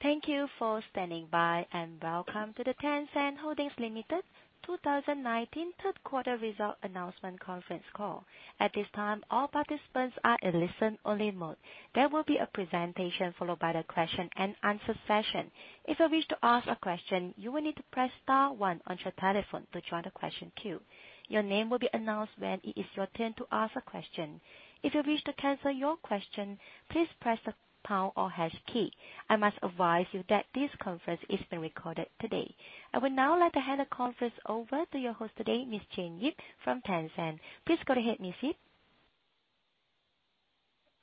Thank you for standing by, and welcome to the Tencent Holdings Limited 2019 third quarter result announcement conference call. At this time, all participants are in listen only mode. There will be a presentation followed by the question and answer session. If you wish to ask a question, you will need to press star one on your telephone to join the question queue. Your name will be announced when it is your turn to ask a question. If you wish to cancel your question, please press the pound or hash key. I must advise you that this conference is being recorded today. I would now like to hand the conference over to your host today, Ms. Jane Yip, from Tencent. Please go ahead, Ms. Yip.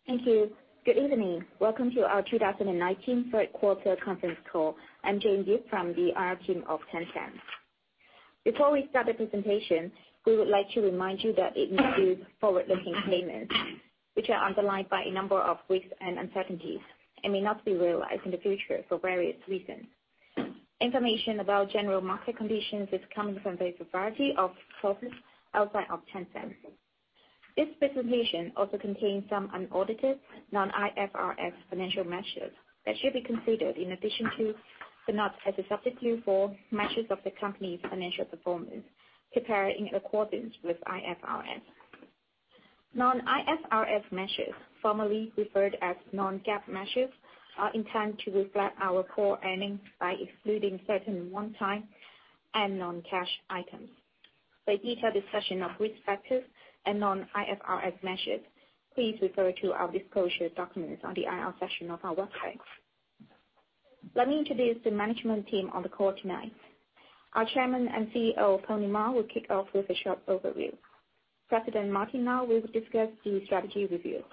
Thank you. Good evening. Welcome to our 2019 third quarter conference call. I'm Jane Yip from the IR team of Tencent. Before we start the presentation, we would like to remind you that it includes forward-looking statements, which are underlined by a number of risks and uncertainties, and may not be realized in the future for various reasons. Information about general market conditions is coming from a variety of sources outside of Tencent. This presentation also contains some unaudited non-IFRS financial measures that should be considered in addition to, but not as a substitute for, measures of the company's financial performance prepared in accordance with IFRS. Non-IFRS measures, formerly referred as non-GAAP measures, are intended to reflect our core earnings by excluding certain one-time and non-cash items. For a detailed discussion of risk factors and non-IFRS measures, please refer to our disclosure documents on the IR section of our website. Let me introduce the management team on the call tonight. Our Chairman and CEO, Pony Ma, will kick off with a short overview. President Martin Lau will discuss the strategy review.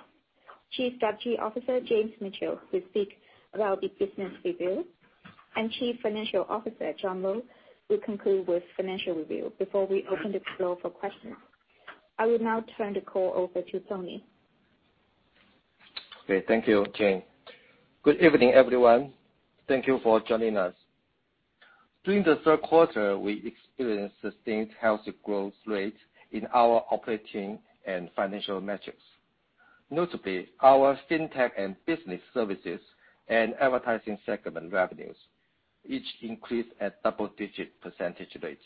Chief Strategy Officer, James Mitchell, will speak about the business review. Chief Financial Officer, John Lo, will conclude with financial review before we open the floor for questions. I will now turn the call over to Pony. Okay. Thank you, Jane. Good evening, everyone. Thank you for joining us. During the third quarter, we experienced sustained healthy growth rates in our operating and financial metrics. Notably, our fintech and business services and advertising segment revenues, each increased at double-digit percentage rates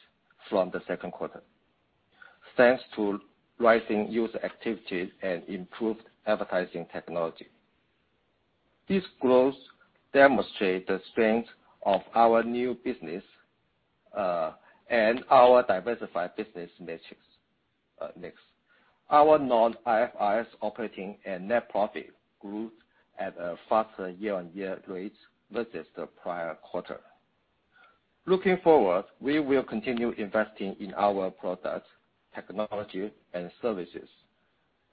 from the second quarter. Thanks to rising user activity and improved advertising technology. This growth demonstrates the strength of our new business, and our diversified business metrics. Next, our non-IFRS operating and net profit grew at a faster year-on-year rate versus the prior quarter. Looking forward, we will continue investing in our products, technology and services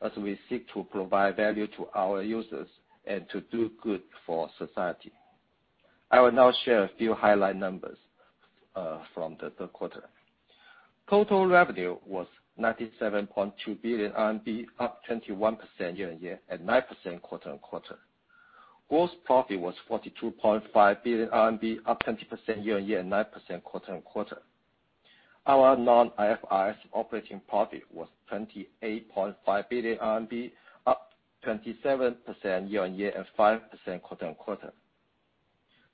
as we seek to provide value to our users and to do good for society. I will now share a few highlight numbers from the third quarter. Total revenue was 97.2 billion RMB, up 21% year-on-year and 9% quarter-on-quarter. Gross profit was 42.5 billion RMB, up 20% year-on-year and 9% quarter-on-quarter. Our non-IFRS operating profit was 28.5 billion RMB, up 27% year-on-year and 5% quarter-on-quarter.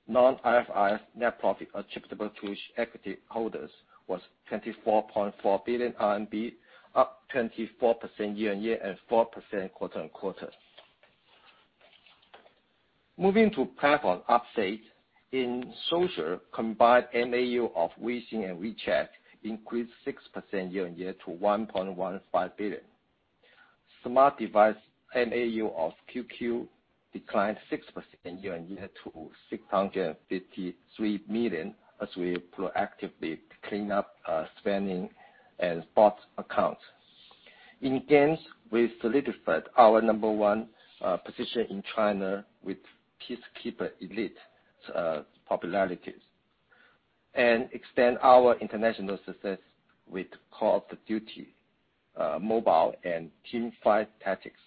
Non-IFRS net profit attributable to equity holders was 24.4 billion RMB, up 24% year-on-year and 4% quarter-on-quarter. Moving to platform updates. In social, combined MAU of Weixin and WeChat increased 6% year-on-year to 1.15 billion. Smart device MAU of QQ declined 6% year-on-year to 653 million as we proactively clean up spamming and bot accounts. In games, we solidified our number one position in China with Peacekeeper Elite's popularity. We extend our international success with Call of Duty: Mobile and Teamfight Tactics.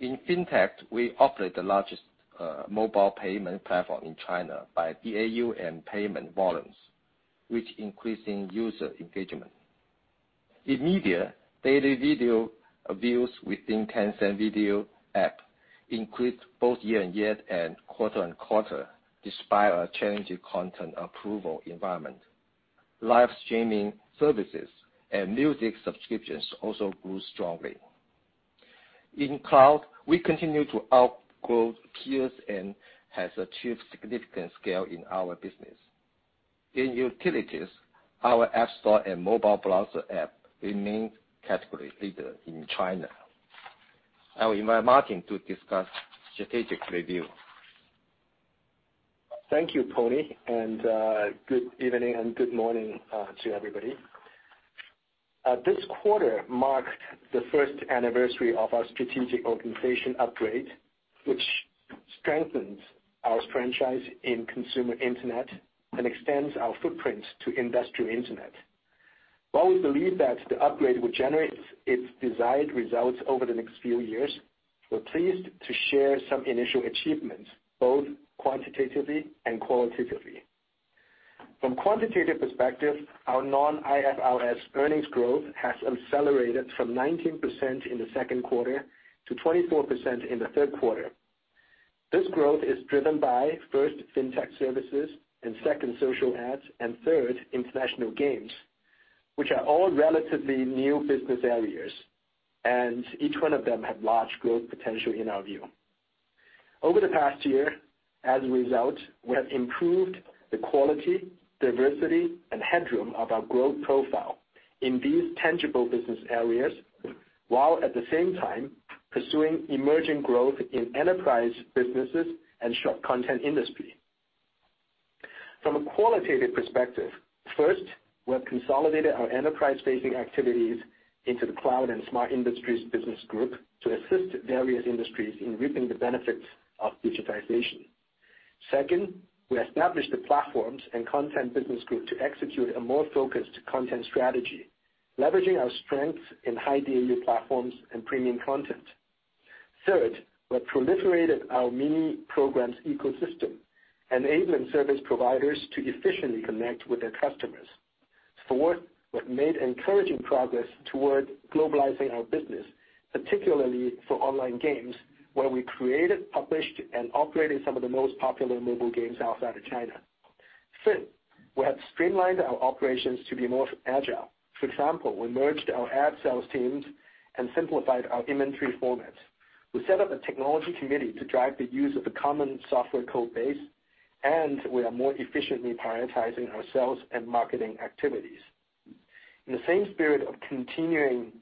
In fintech, we operate the largest mobile payment platform in China by DAU and payment volumes, with increasing user engagement. In media, daily video views within Tencent Video app increased both year-on-year and quarter-on-quarter despite a challenging content approval environment. Live streaming services and music subscriptions also grew strongly. In cloud, we continue to outgrow peers and have achieved significant scale in our business. In utilities, our app store and mobile browser app remain category leader in China. I will invite Martin to discuss strategic review. Thank you, Pony. Good evening and good morning to everybody. This quarter marked the first anniversary of our strategic organization upgrade, which strengthens our franchise in consumer internet and extends our footprints to industrial internet. While we believe that the upgrade will generate its desired results over the next few years, we're pleased to share some initial achievements, both quantitatively and qualitatively. From quantitative perspective, our non-IFRS earnings growth has accelerated from 19% in the second quarter to 24% in the third quarter. This growth is driven by, first, FinTech services and second, social ads, and third, international games, which are all relatively new business areas, and each one of them have large growth potential in our view. Over the past year, as a result, we have improved the quality, diversity, and headroom of our growth profile in these tangible business areas, while at the same time pursuing emerging growth in enterprise businesses and short content industry. From a qualitative perspective, first, we have consolidated our enterprise-facing activities into the Cloud and Smart Industries Business Group to assist various industries in reaping the benefits of digitization. Second, we established the Platforms and Content Business Group to execute a more focused content strategy, leveraging our strengths in high DAU platforms and premium content. Third, we have proliferated our mini programs ecosystem, enabling service providers to efficiently connect with their customers. Fourth, we have made encouraging progress towards globalizing our business, particularly for online games, where we created, published, and operated some of the most popular mobile games outside of China.. Fifth, we have streamlined our operations to be more agile. For example, we merged our ad sales teams and simplified our inventory formats. We set up a technology committee to drive the use of a common software code base, and we are more efficiently prioritizing our sales and marketing activities. In the same spirit of continuing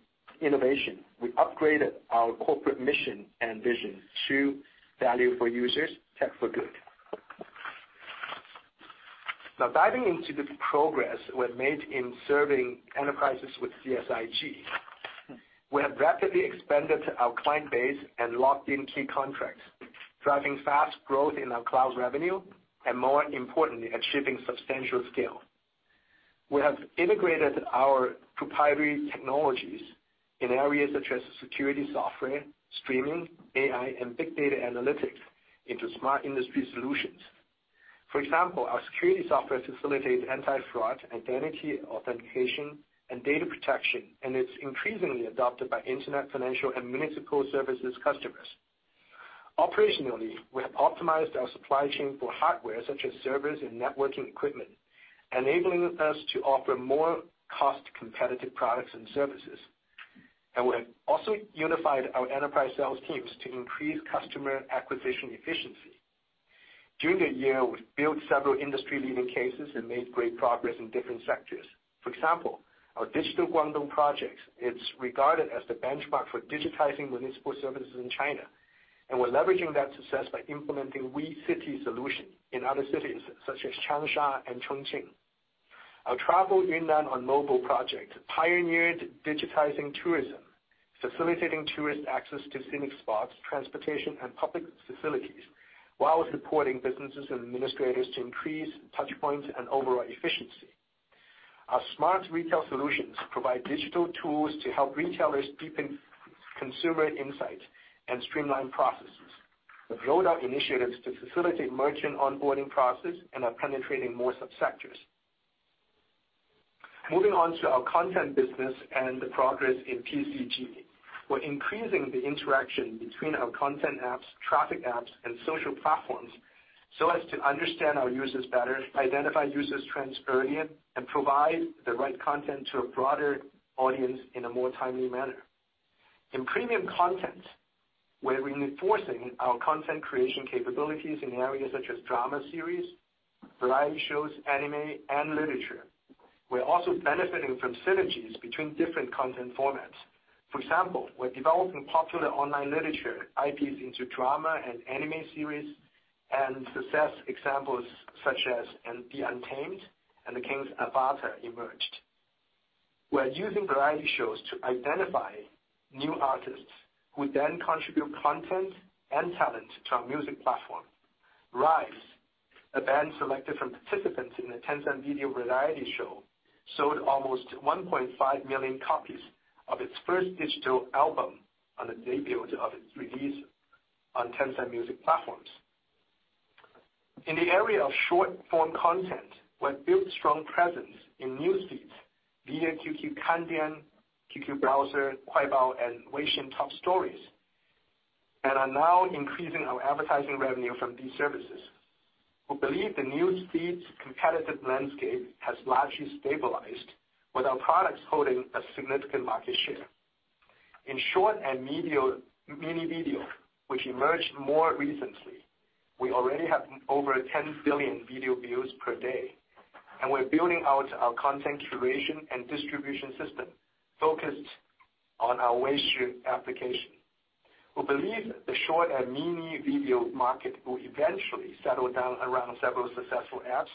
innovation, we upgraded our corporate mission and vision to value for users, tech for good. Now, diving into the progress we have made in serving enterprises with CSIG. We have rapidly expanded our client base and locked in key contracts, driving fast growth in our cloud revenue, and more importantly, achieving substantial scale. We have integrated our proprietary technologies in areas such as security software, streaming, AI, and big data analytics into smart industry solutions. For example, our security software facilitates anti-fraud, identity authentication, and data protection, and it's increasingly adopted by Internet, financial, and municipal services customers. Operationally, we have optimized our supply chain for hardware such as servers and networking equipment, enabling us to offer more cost-competitive products and services. We have also unified our enterprise sales teams to increase customer acquisition efficiency. During the year, we've built several industry-leading cases and made great progress in different sectors. For example, our digital Guangdong projects, it's regarded as the benchmark for digitizing municipal services in China. We're leveraging that success by implementing WeCity solution in other cities such as Changsha and Chongqing. Our travel Yunnan on mobile project pioneered digitizing tourism, facilitating tourist access to scenic spots, transportation, and public facilities, while supporting businesses and administrators to increase touchpoints and overall efficiency. Our smart retail solutions provide digital tools to help retailers deepen consumer insights and streamline processes. We've rolled out initiatives to facilitate merchant onboarding process and are penetrating more subsectors. Moving on to our content business and the progress in PCG. We're increasing the interaction between our content apps, traffic apps, and social platforms so as to understand our users better, identify users trends earlier, and provide the right content to a broader audience in a more timely manner. In premium content, we're reinforcing our content creation capabilities in areas such as drama series, variety shows, anime, and literature. We're also benefiting from synergies between different content formats. For example, we're developing popular online literature IPs into drama and anime series, and success examples such as "The Untamed" and "The King's Avatar" emerged. We are using variety shows to identify new artists who then contribute content and talent to our music platform. R1SE, a band selected from participants in the Tencent Video variety show, sold almost 1.5 million copies of its first digital album on the debut of its release on Tencent music platforms. In the area of short-form content, we have built strong presence in news feeds via QQ KanDian, QQ Browser, Kuaibao, and Weixin top stories, and are now increasing our advertising revenue from these services. We believe the news feeds competitive landscape has largely stabilized with our products holding a significant market share. In short and mini video, which emerged more recently, we already have over 10 billion video views per day, and we're building out our content curation and distribution system focused on our Weishi application. We believe the short and mini video market will eventually settle down around several successful apps,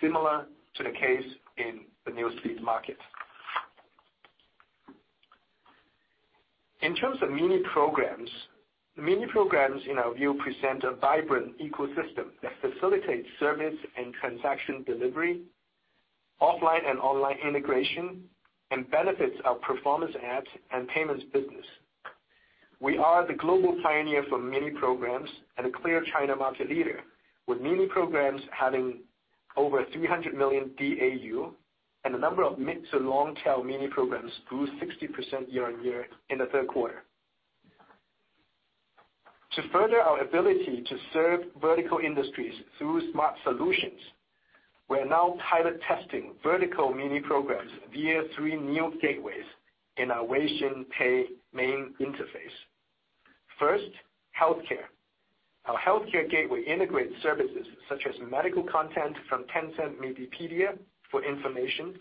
similar to the case in the news feed market. In terms of mini programs, mini programs in our view present a vibrant ecosystem that facilitates service and transaction delivery, offline and online integration, and benefits our performance ads and payments business. We are the global pioneer for mini programs and a clear China market leader, with mini programs having over 300 million DAU and a number of mid to long-tail mini programs grew 60% year-on-year in the third quarter. To further our ability to serve vertical industries through smart solutions, we are now pilot-testing vertical mini programs via three new gateways in our Weixin Pay main interface. First, healthcare. Our healthcare gateway integrates services such as medical content from Tencent Medipedia for information,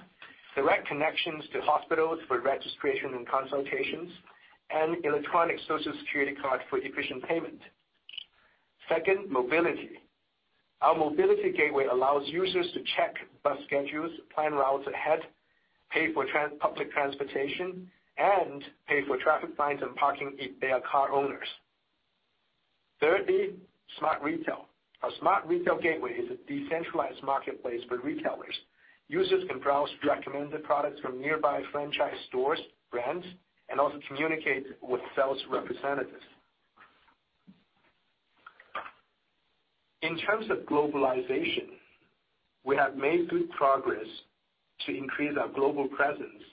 direct connections to hospitals for registration and consultations, and electronic Social Security card for efficient payment. Second, mobility. Our mobility gateway allows users to check bus schedules, plan routes ahead, pay for public transportation, and pay for traffic fines and parking if they are car owners. Thirdly, smart retail. Our smart retail gateway is a decentralized marketplace for retailers. Users can browse recommended products from nearby franchise stores, brands, and also communicate with sales representatives. In terms of globalization, we have made good progress to increase our global presence,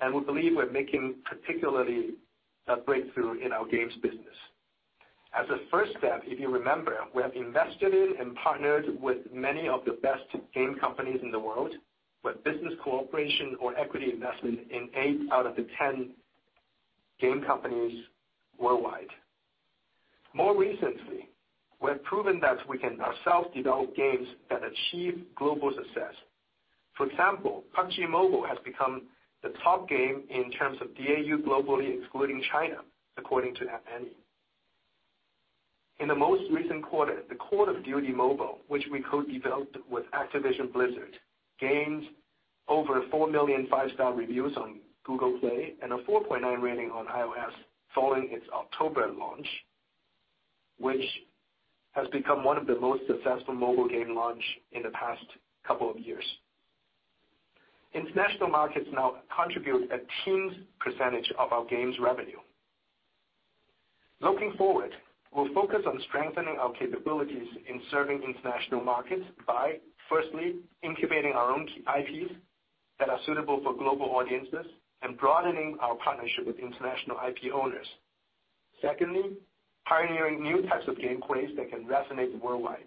and we believe we're making particularly a breakthrough in our games business. As a first step, if you remember, we have invested in and partnered with many of the best game companies in the world, with business cooperation or equity investment in eight out of the 10 game companies worldwide. More recently, we have proven that we can ourselves develop games that achieve global success. For example, PUBG MOBILE has become the top game in terms of DAU globally, excluding China, according to App Annie. In the most recent quarter, the Call of Duty: Mobile, which we co-developed with Activision Blizzard, gained over 4 million five-star reviews on Google Play and a 4.9 rating on iOS following its October launch, which has become one of the most successful mobile game launch in the past couple of years. International markets now contribute a teens percentage of our games revenue. Looking forward, we'll focus on strengthening our capabilities in serving international markets by, firstly, incubating our own IPs that are suitable for global audiences and broadening our partnership with international IP owners. Secondly, pioneering new types of game plays that can resonate worldwide.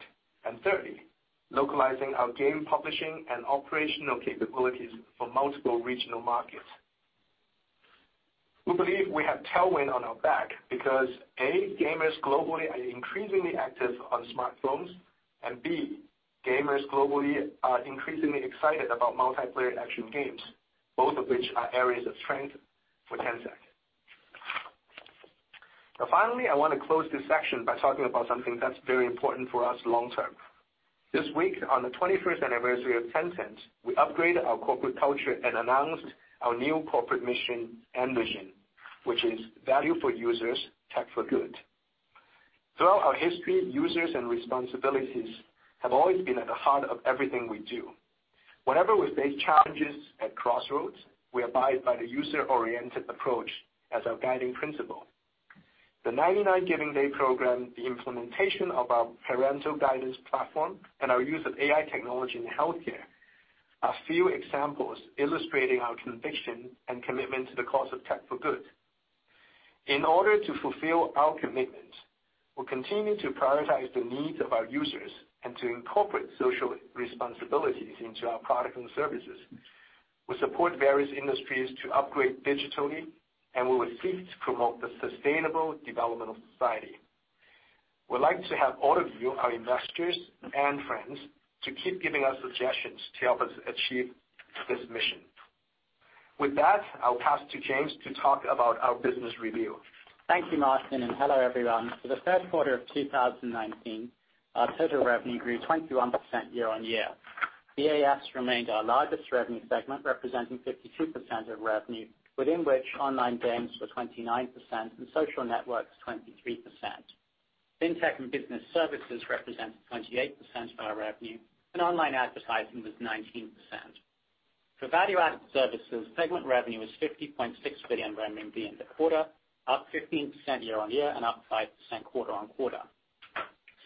Thirdly, localizing our game publishing and operational capabilities for multiple regional markets. We believe we have tailwind on our back because, A, gamers globally are increasingly active on smartphones, and B, gamers globally are increasingly excited about multiplayer action games, both of which are areas of strength for Tencent. Finally, I want to close this section by talking about something that's very important for us long-term. This week, on the 21st anniversary of Tencent, we upgraded our corporate culture and announced our new corporate mission and vision, which is value for users, tech for good. Throughout our history, users and responsibilities have always been at the heart of everything we do. Whenever we face challenges at crossroads, we abide by the user-oriented approach as our guiding principle. The 99 Giving Day program, the implementation of our parental guidance platform, and our use of AI technology in healthcare are a few examples illustrating our conviction and commitment to the cause of tech for good. In order to fulfill our commitment, we continue to prioritize the needs of our users and to incorporate social responsibilities into our products and services. We support various industries to upgrade digitally. We will seek to promote the sustainable development of society. We'd like to have all of you, our investors and friends, to keep giving us suggestions to help us achieve this mission. With that, I'll pass to James to talk about our business review. Thank you, Martin. Hello, everyone. For the third quarter of 2019, our total revenue grew 21% year-on-year. VAS remained our largest revenue segment, representing 52% of revenue, within which online games were 29% and social networks 23%. Fintech and business services represented 28% of our revenue, and online advertising was 19%. For value-added services, segment revenue was CNY 50.6 billion in the quarter, up 15% year-on-year and up 5% quarter-on-quarter.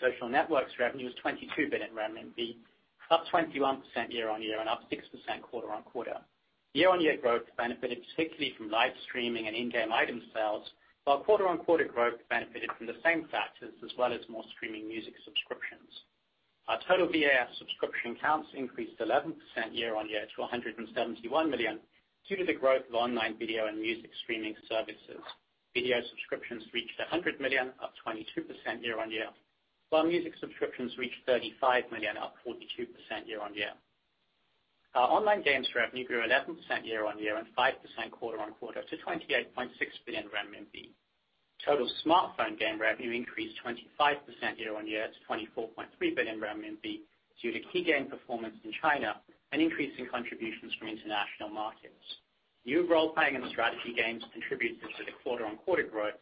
Social networks revenue was 22 billion renminbi, up 21% year-on-year and up 6% quarter-on-quarter. Year-on-year growth benefited particularly from live streaming and in-game item sales, while quarter-on-quarter growth benefited from the same factors as well as more streaming music subscriptions. Our total VAS subscription counts increased 11% year-on-year to 171 million, due to the growth of online video and music streaming services. Video subscriptions reached 100 million, up 22% year-on-year, while music subscriptions reached 35 million, up 42% year-on-year. Our online games revenue grew 11% year-on-year and 5% quarter-on-quarter to 28.6 billion RMB. Total smartphone game revenue increased 25% year-on-year to 24.3 billion RMB due to key game performance in China and increasing contributions from international markets. New role-playing and strategy games contributed to the quarter-on-quarter growth.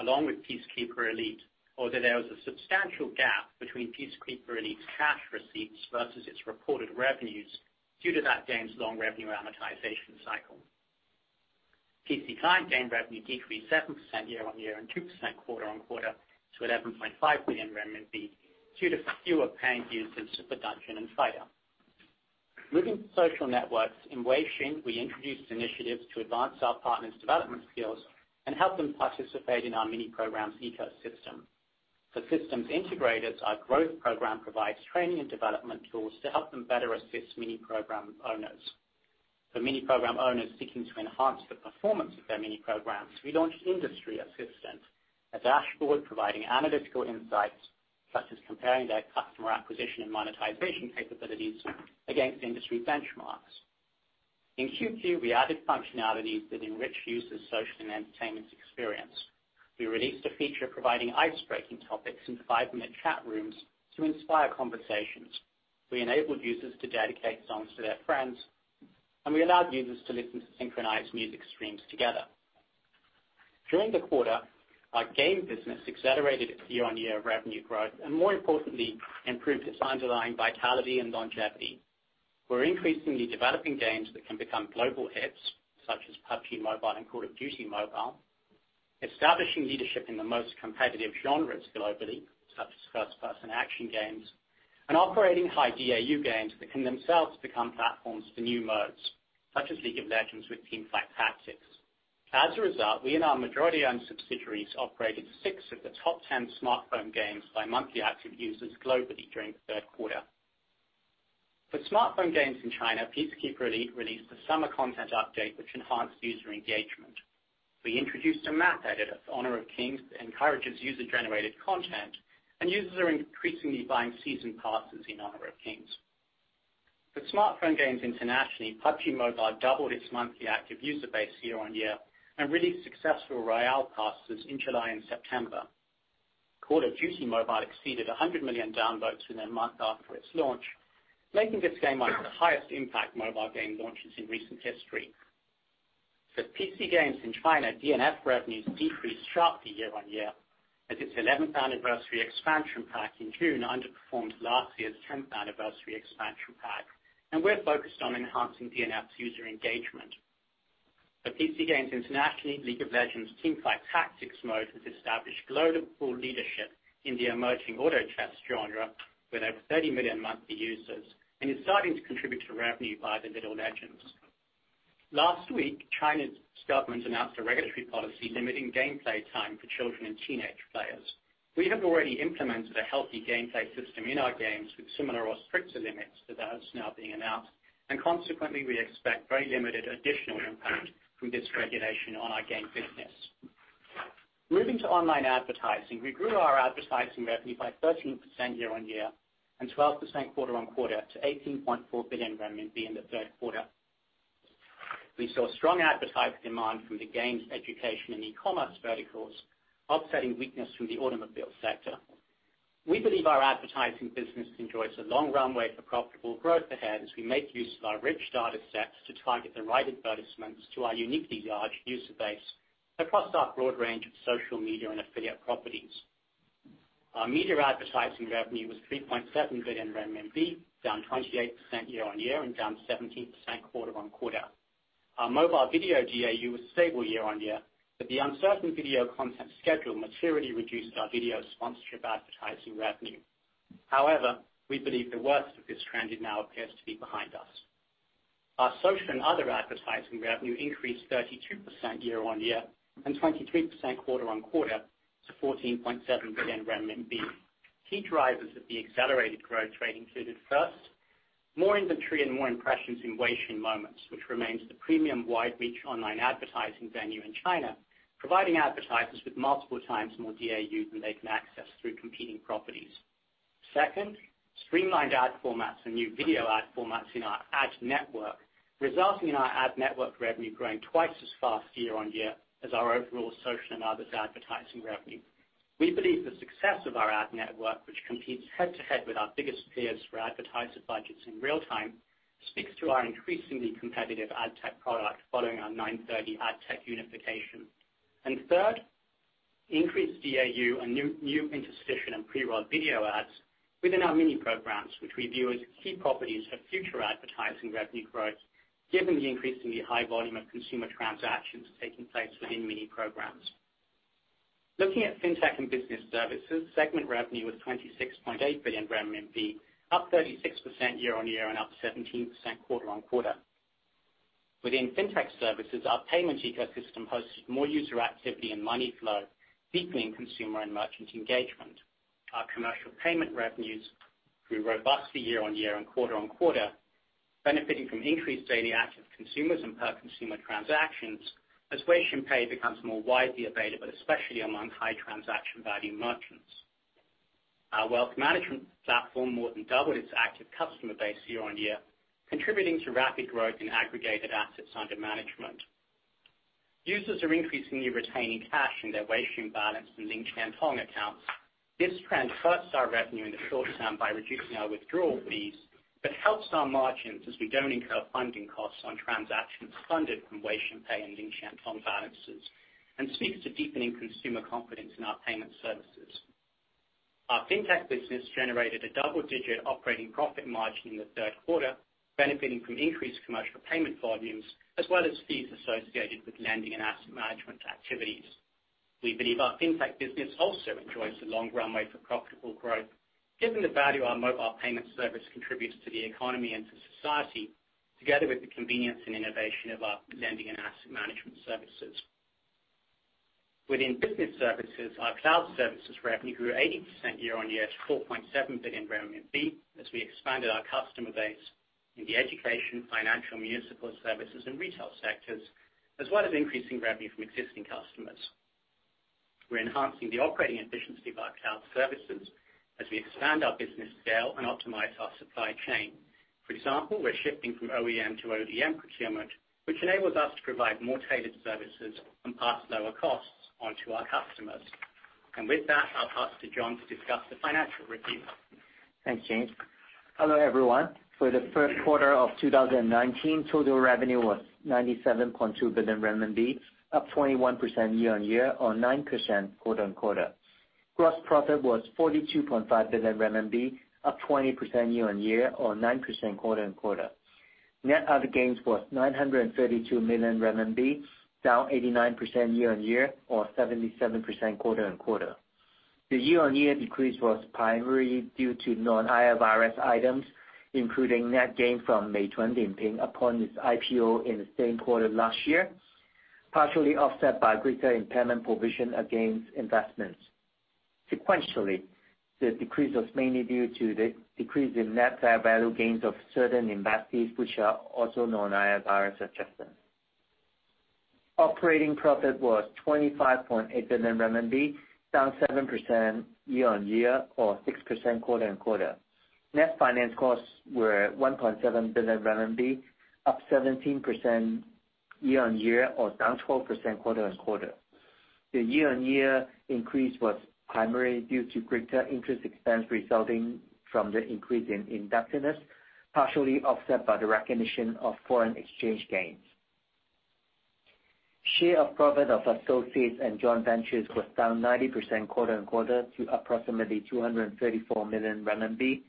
Along with Peacekeeper Elite, although there was a substantial gap between Peacekeeper Elite's cash receipts versus its reported revenues due to that game's long revenue amortization cycle. PC client game revenue decreased 7% year-on-year and 2% quarter-on-quarter to 11.5 billion renminbi, due to fewer paying users for Dungeon & Fighter. Moving to social networks. In Weixin, we introduced initiatives to advance our partners' development skills and help them participate in our Mini Programs ecosystem. For systems integrators, our Growth Program provides training and development tools to help them better assist Mini Program owners. For mini program owners seeking to enhance the performance of their mini programs, we launched Industry Assistant, a dashboard providing analytical insights, such as comparing their customer acquisition and monetization capabilities against industry benchmarks. In Q2, we added functionalities that enrich users' social and entertainment experience. We released a feature providing icebreaking topics in five-minute chat rooms to inspire conversations. We enabled users to dedicate songs to their friends, and we allowed users to listen to synchronized music streams together. During the quarter, our game business accelerated its year-on-year revenue growth and more importantly, improved its underlying vitality and longevity. We're increasingly developing games that can become global hits, such as "PUBG MOBILE" and "Call of Duty: Mobile," establishing leadership in the most competitive genres globally, such as first-person action games. Operating high DAU games that can themselves become platforms for new modes, such as "League of Legends" with Teamfight Tactics. As a result, we and our majority-owned subsidiaries operated six of the top 10 smartphone games by monthly active users globally during the third quarter. For smartphone games in China, Peacekeeper Elite released a summer content update which enhanced user engagement. We introduced a map editor for "Honor of Kings" that encourages user-generated content, and users are increasingly buying season passes in "Honor of Kings." For smartphone games internationally, PUBG MOBILE doubled its monthly active user base year-on-year and released successful Royale passes in July and September. Call of Duty: Mobile exceeded 100 million downloads within a month after its launch, making this game one of the highest impact mobile game launches in recent history. For PC games in China, DNF revenues decreased sharply year-on-year as its 11th anniversary expansion pack in June underperformed last year's 10th anniversary expansion pack. We're focused on enhancing DNF's user engagement. For PC games internationally, "League of Legends" Teamfight Tactics mode has established global leadership in the emerging auto-chess genre with over 30 million monthly users and is starting to contribute to revenue via the Little Legends. Last week, China's government announced a regulatory policy limiting gameplay time for children and teenage players. We have already implemented a healthy gameplay system in our games with similar or stricter limits to those now being announced, and consequently, we expect very limited additional impact from this regulation on our game business. Moving to online advertising. We grew our advertising revenue by 13% year-on-year and 12% quarter-on-quarter to 18.4 billion renminbi in the third quarter. We saw strong advertiser demand from the games, education, and e-commerce verticals offsetting weakness from the automobile sector. We believe our advertising business enjoys a long runway for profitable growth ahead as we make use of our rich data sets to target the right advertisements to our uniquely large user base across our broad range of social media and affiliate properties. Our media advertising revenue was 3.7 billion RMB, down 28% year-on-year and down 17% quarter-on-quarter. Our mobile video DAU was stable year-on-year, but the uncertain video content schedule materially reduced our video sponsorship advertising revenue. However, we believe the worst of this trend now appears to be behind us. Our social and other advertising revenue increased 32% year-on-year and 23% quarter-on-quarter to 14.7 billion renminbi. Key drivers of the accelerated growth rate included, first, more inventory and more impressions in Weixin Moments, which remains the premium wide reach online advertising venue in China, providing advertisers with multiple times more DAU than they can access through competing properties. Second, streamlined ad formats and new video ad formats in our ad network, resulting in our ad network revenue growing twice as fast year on year as our overall social and others advertising revenue. We believe the success of our ad network, which competes head to head with our biggest peers for advertiser budgets in real time, speaks to our increasingly competitive ad tech product following our 930 ad tech unification. Third, increased DAU and new interstitial and pre-roll video ads within our mini programs, which we view as key properties for future advertising revenue growth given the increasingly high volume of consumer transactions taking place within mini programs. Looking at Fintech and Business Services, segment revenue was 26.8 billion RMB, up 36% year-on-year and up 17% quarter-on-quarter. Within Fintech Services, our payments ecosystem hosted more user activity and money flow, deepening consumer and merchant engagement. Our commercial payment revenues grew robustly year-on-year and quarter-on-quarter, benefiting from increased daily active consumers and per-consumer transactions as Weixin Pay becomes more widely available, especially among high transaction value merchants. Our Wealth Management Platform more than doubled its active customer base year-on-year, contributing to rapid growth in aggregated assets under management. Users are increasingly retaining cash in their Weixin balance and Lingqiantong accounts. This transfers our revenue in the short term by reducing our withdrawal fees, but helps our margins as we don't incur funding costs on transactions funded from Weixin Pay and Lingqiantong fund balances and speaks to deepening consumer confidence in our payment services. Our Fintech business generated a double-digit operating profit margin in the third quarter, benefiting from increased commercial payment volumes as well as fees associated with lending and asset management activities. We believe our Fintech business also enjoys a long runway for profitable growth, given the value our mobile payment service contributes to the economy and to society, together with the convenience and innovation of our lending and asset management services. Within business services, our cloud services revenue grew 80% year-over-year to 4.7 billion as we expanded our customer base in the education, financial, municipal services, and retail sectors, as well as increasing revenue from existing customers. We're enhancing the operating efficiency of our cloud services as we expand our business scale and optimize our supply chain. For example, we're shifting from OEM to ODM procurement, which enables us to provide more tailored services and pass lower costs on to our customers. With that, I'll pass to John to discuss the financial review. Thanks, James. Hello, everyone. For the first quarter of 2019, total revenue was 97.2 billion renminbi, up 21% year-on-year or 9% quarter-on-quarter. Gross profit was 42.5 billion RMB, up 20% year-on-year or 9% quarter-on-quarter. Net other gains was 932 million RMB, down 89% year-on-year or 77% quarter-on-quarter. The year-on-year decrease was primarily due to non-IFRS items, including net gain from Meituan-Dianping upon its IPO in the same quarter last year, partially offset by greater impairment provision against investments. Sequentially, the decrease was mainly due to the decrease in net fair value gains of certain investments, which are also non-IFRS adjustments. Operating profit was 25.8 billion RMB, down 7% year-on-year or 6% quarter-on-quarter. Net finance costs were 1.7 billion RMB, up 17% year-on-year or down 12% quarter-on-quarter. The year-on-year increase was primarily due to greater interest expense resulting from the increase in indebtedness, partially offset by the recognition of foreign exchange gains. Share of profit of associates and joint ventures was down 90% quarter-on-quarter to approximately 234 million renminbi,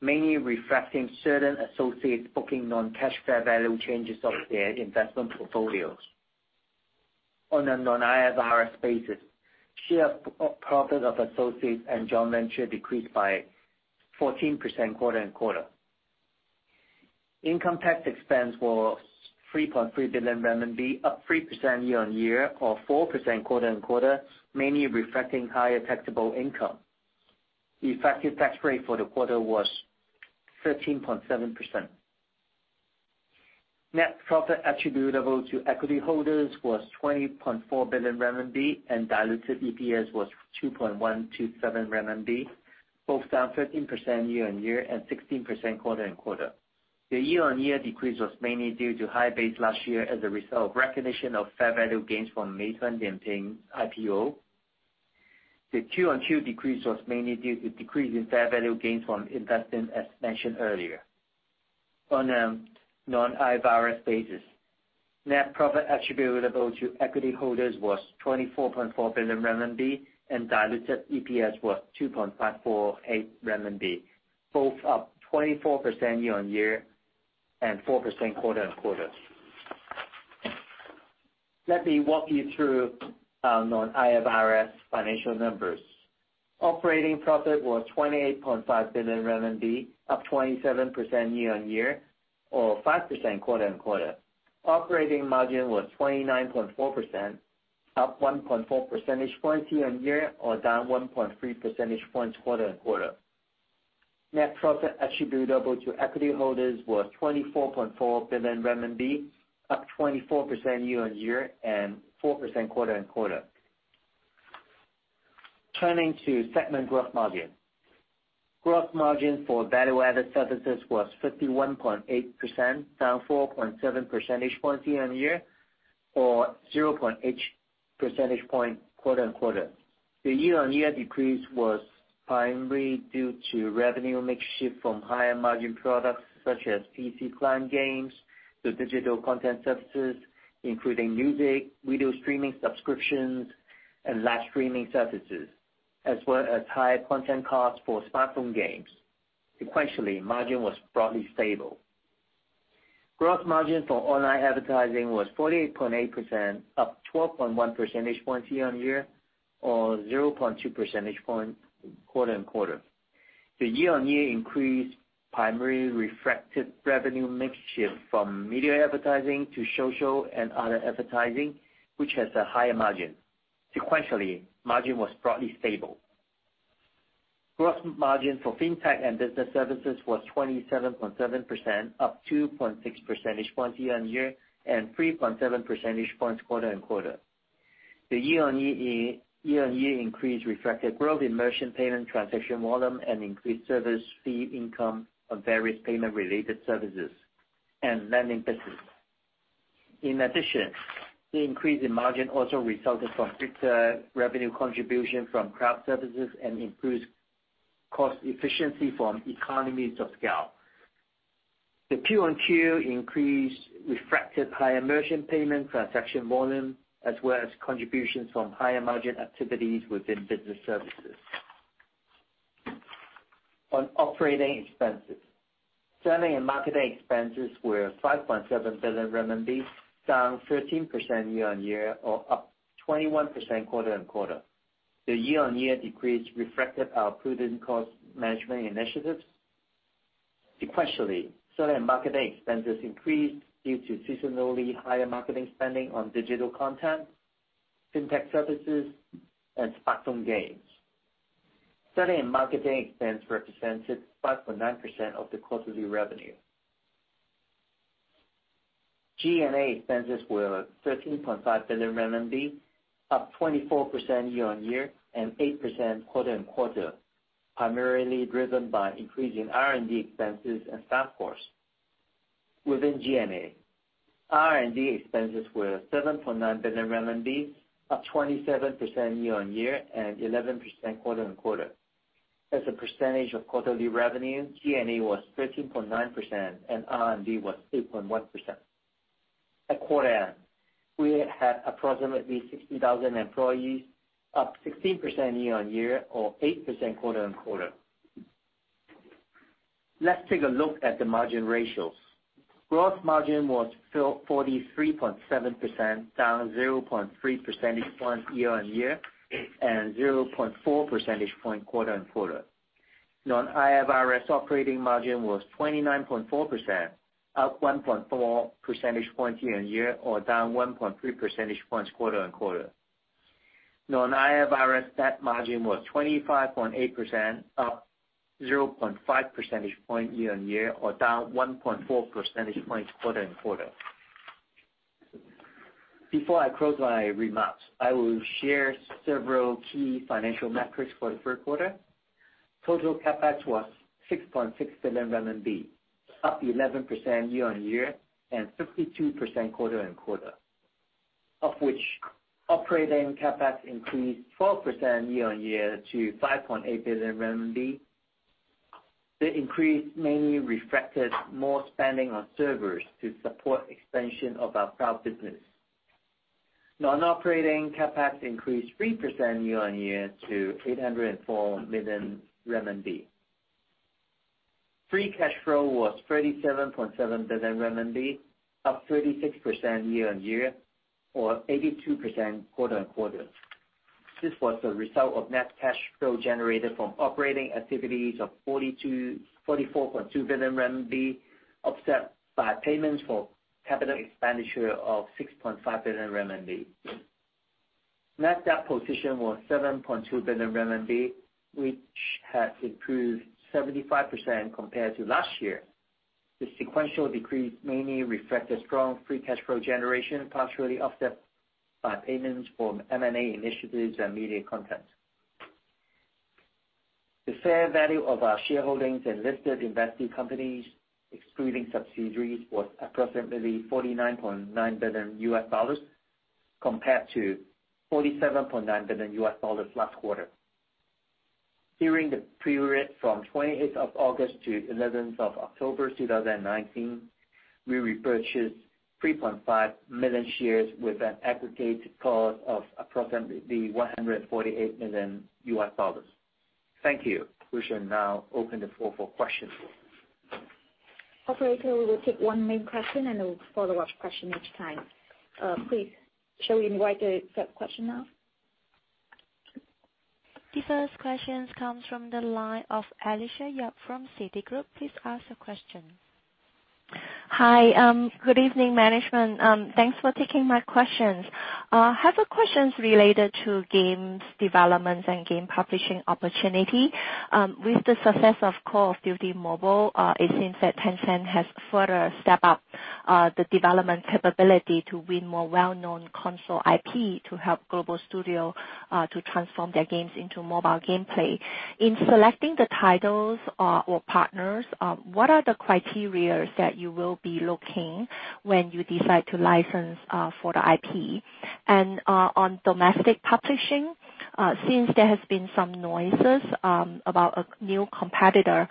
mainly reflecting certain associates booking non-cash fair value changes of their investment portfolios. On a non-IFRS basis, share of profit of associates and joint venture decreased by 14% quarter-on-quarter. Income tax expense was 3.3 billion RMB, up 3% year-on-year or 4% quarter-on-quarter, mainly reflecting higher taxable income. The effective tax rate for the quarter was 13.7%. Net profit attributable to equity holders was 20.4 billion RMB, and diluted EPS was 2.127 RMB, both down 13% year-on-year and 16% quarter-on-quarter. The year-on-year decrease was mainly due to high base last year as a result of recognition of fair value gains from Meituan Dianping IPO. The quarter-on-quarter decrease was mainly due to decrease in fair value gains from investing, as mentioned earlier. On a non-IFRS basis, net profit attributable to equity holders was 24.4 billion RMB and diluted EPS was 2.548 RMB, both up 24% year-on-year and 4% quarter-on-quarter. Let me walk you through our non-IFRS financial numbers. Operating profit was 28.5 billion RMB, up 27% year-on-year or 5% quarter-on-quarter. Operating margin was 29.4%, up 1.4 percentage points year-on-year or down 1.3 percentage points quarter-on-quarter. Net profit attributable to equity holders was 24.4 billion renminbi, up 24% year-on-year and 4% quarter-on-quarter. Turning to segment gross margin. Gross margin for value-added services was 51.8%, down 4.7 percentage points year-on-year or 0.8 percentage point quarter-on-quarter. The year-on-year decrease was primarily due to revenue mix shift from higher margin products such as PC client games to digital content services, including music, video streaming subscriptions, and live streaming services, as well as higher content costs for smartphone games. Sequentially, margin was broadly stable. Gross margin for online advertising was 48.8%, up 12.1 percentage points year-on-year or 0.2 percentage point quarter-on-quarter. The year-on-year increase primarily reflected revenue mix shift from media advertising to social and other advertising, which has a higher margin. Sequentially, margin was broadly stable. Gross margin for Fintech and business services was 27.7%, up 2.6 percentage points year-on-year and 3.7 percentage points quarter-on-quarter. The year-on-year increase reflected growth in merchant payment transaction volume and increased service fee income on various payment-related services and lending business. In addition, the increase in margin also resulted from greater revenue contribution from cloud services and improved cost efficiency from economies of scale. The Q-on-Q increase reflected higher merchant payment transaction volume, as well as contributions from higher margin activities within business services. On operating expenses, selling and marketing expenses were 5.7 billion RMB, down 13% year-on-year or up 21% quarter-on-quarter. The year-on-year decrease reflected our prudent cost management initiatives. Sequentially, selling and marketing expenses increased due to seasonally higher marketing spending on digital content, fintech services, and smartphone games. Selling and marketing expense represented 5.9% of the quarterly revenue. G&A expenses were 13.5 billion RMB, up 24% year-on-year and 8% quarter-on-quarter, primarily driven by increasing R&D expenses and staff costs. Within G&A, R&D expenses were 7.9 billion renminbi, up 27% year-on-year and 11% quarter-on-quarter. As a percentage of quarterly revenue, G&A was 13.9% and R&D was 3.1%. At quarter end, we had approximately 60,000 employees, up 16% year-on-year or 8% quarter-on-quarter. Let's take a look at the margin ratios. Gross margin was 43.7%, down 0.3 percentage points year-on-year and 0.4 percentage point quarter-on-quarter. non-IFRS operating margin was 29.4%, up 1.4 percentage points year-on-year or down 1.3 percentage points quarter-on-quarter. Non-IFRS net margin was 25.8%, up 0.5 percentage point year-on-year or down 1.4 percentage points quarter-on-quarter. Before I close my remarks, I will share several key financial metrics for the third quarter. Total CapEx was 6.6 billion RMB, up 11% year-on-year and 52% quarter-on-quarter. Of which operating CapEx increased 12% year-on-year to 5.8 billion RMB. The increase mainly reflected more spending on servers to support expansion of our cloud business. Non-operating CapEx increased 3% year-on-year to 804 million RMB. Free cash flow was 37.7 billion RMB, up 36% year-on-year or 82% quarter-on-quarter. This was a result of net cash flow generated from operating activities of 44.2 billion RMB, offset by payments for capital expenditure of 6.5 billion RMB. Net debt position was 7.2 billion RMB, which has improved 75% compared to last year. The sequential decrease mainly reflected strong free cash flow generation, partially offset by payments from M&A initiatives and media content. The fair value of our shareholdings in listed invested companies, excluding subsidiaries, was approximately $49.9 billion compared to $47.9 billion last quarter. During the period from 28th of August to 11th of October 2019, we repurchased 3.5 million shares with an aggregate cost of approximately $148 million. Thank you. We shall now open the floor for questions. Operator, we will take one main question and a follow-up question each time. Please, shall we invite the first question now? The first question comes from the line of Alicia Yap from Citigroup. Please ask the question. Hi. Good evening, management. Thanks for taking my questions. I have a question related to games development and game publishing opportunity. With the success of Call of Duty: Mobile, it seems that Tencent has further stepped up the development capability to win more well-known console IP to help global studios to transform their games into mobile gameplay. In selecting the titles or partners, what are the criteria that you will be looking when you decide to license for the IP? On domestic publishing, since there has been some noises about a new competitor